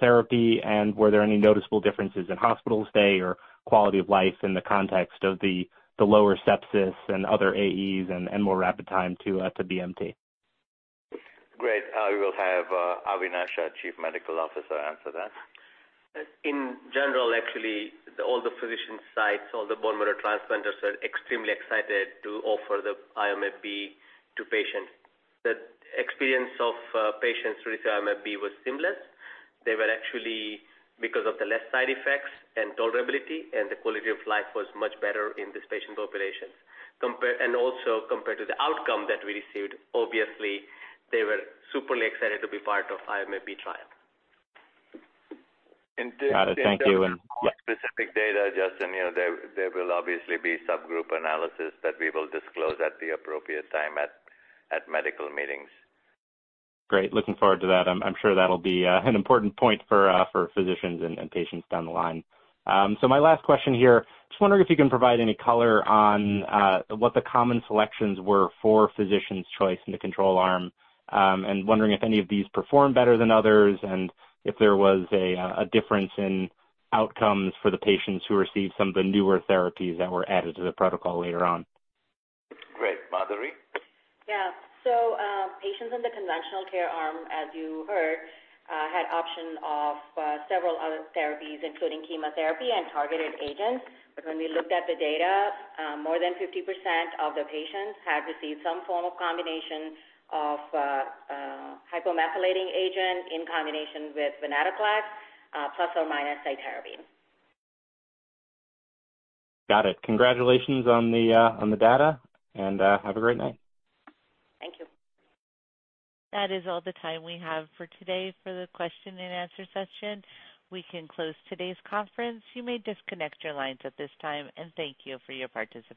therapy? Were there any noticeable differences in hospital stay or quality of life in the context of the lower sepsis and other AEs and more rapid time to BMT? Great. I will have Avinash Desai, our Chief Medical Officer, answer that. In general, actually, all the physician sites, all the bone marrow transplanters are extremely excited to offer the Iomab-B to patients. The experience of patients with Iomab-B was seamless. They were actually because of the less side effects and tolerability, and the quality of life was much better in this patient population. Also compared to the outcome that we received, obviously, they were superly excited to be part of Iomab-B trial. Got it. Thank you. And yeah- In terms of more specific data, Justin, you know, there will obviously be subgroup analysis that we will disclose at the appropriate time at medical meetings. Great. Looking forward to that. I'm sure that'll be an important point for physicians and patients down the line. My last question here, just wondering if you can provide any color on what the common selections were for physician's choice in the control arm, and wondering if any of these performed better than others and if there was a difference in outcomes for the patients who received some of the newer therapies that were added to the protocol later on. Great. Madhuri? Patients in the conventional care arm, as you heard, had option of several other therapies, including chemotherapy and targeted agents. When we looked at the data, more than 50% of the patients had received some form of combination of hypomethylating agent in combination with venetoclax, plus or minus cytarabine. Got it. Congratulations on the data, and have a great night. Thank you. That is all the time we have for today for the question and answer session. We can close today's conference. You may disconnect your lines at this time, and thank you for your participation.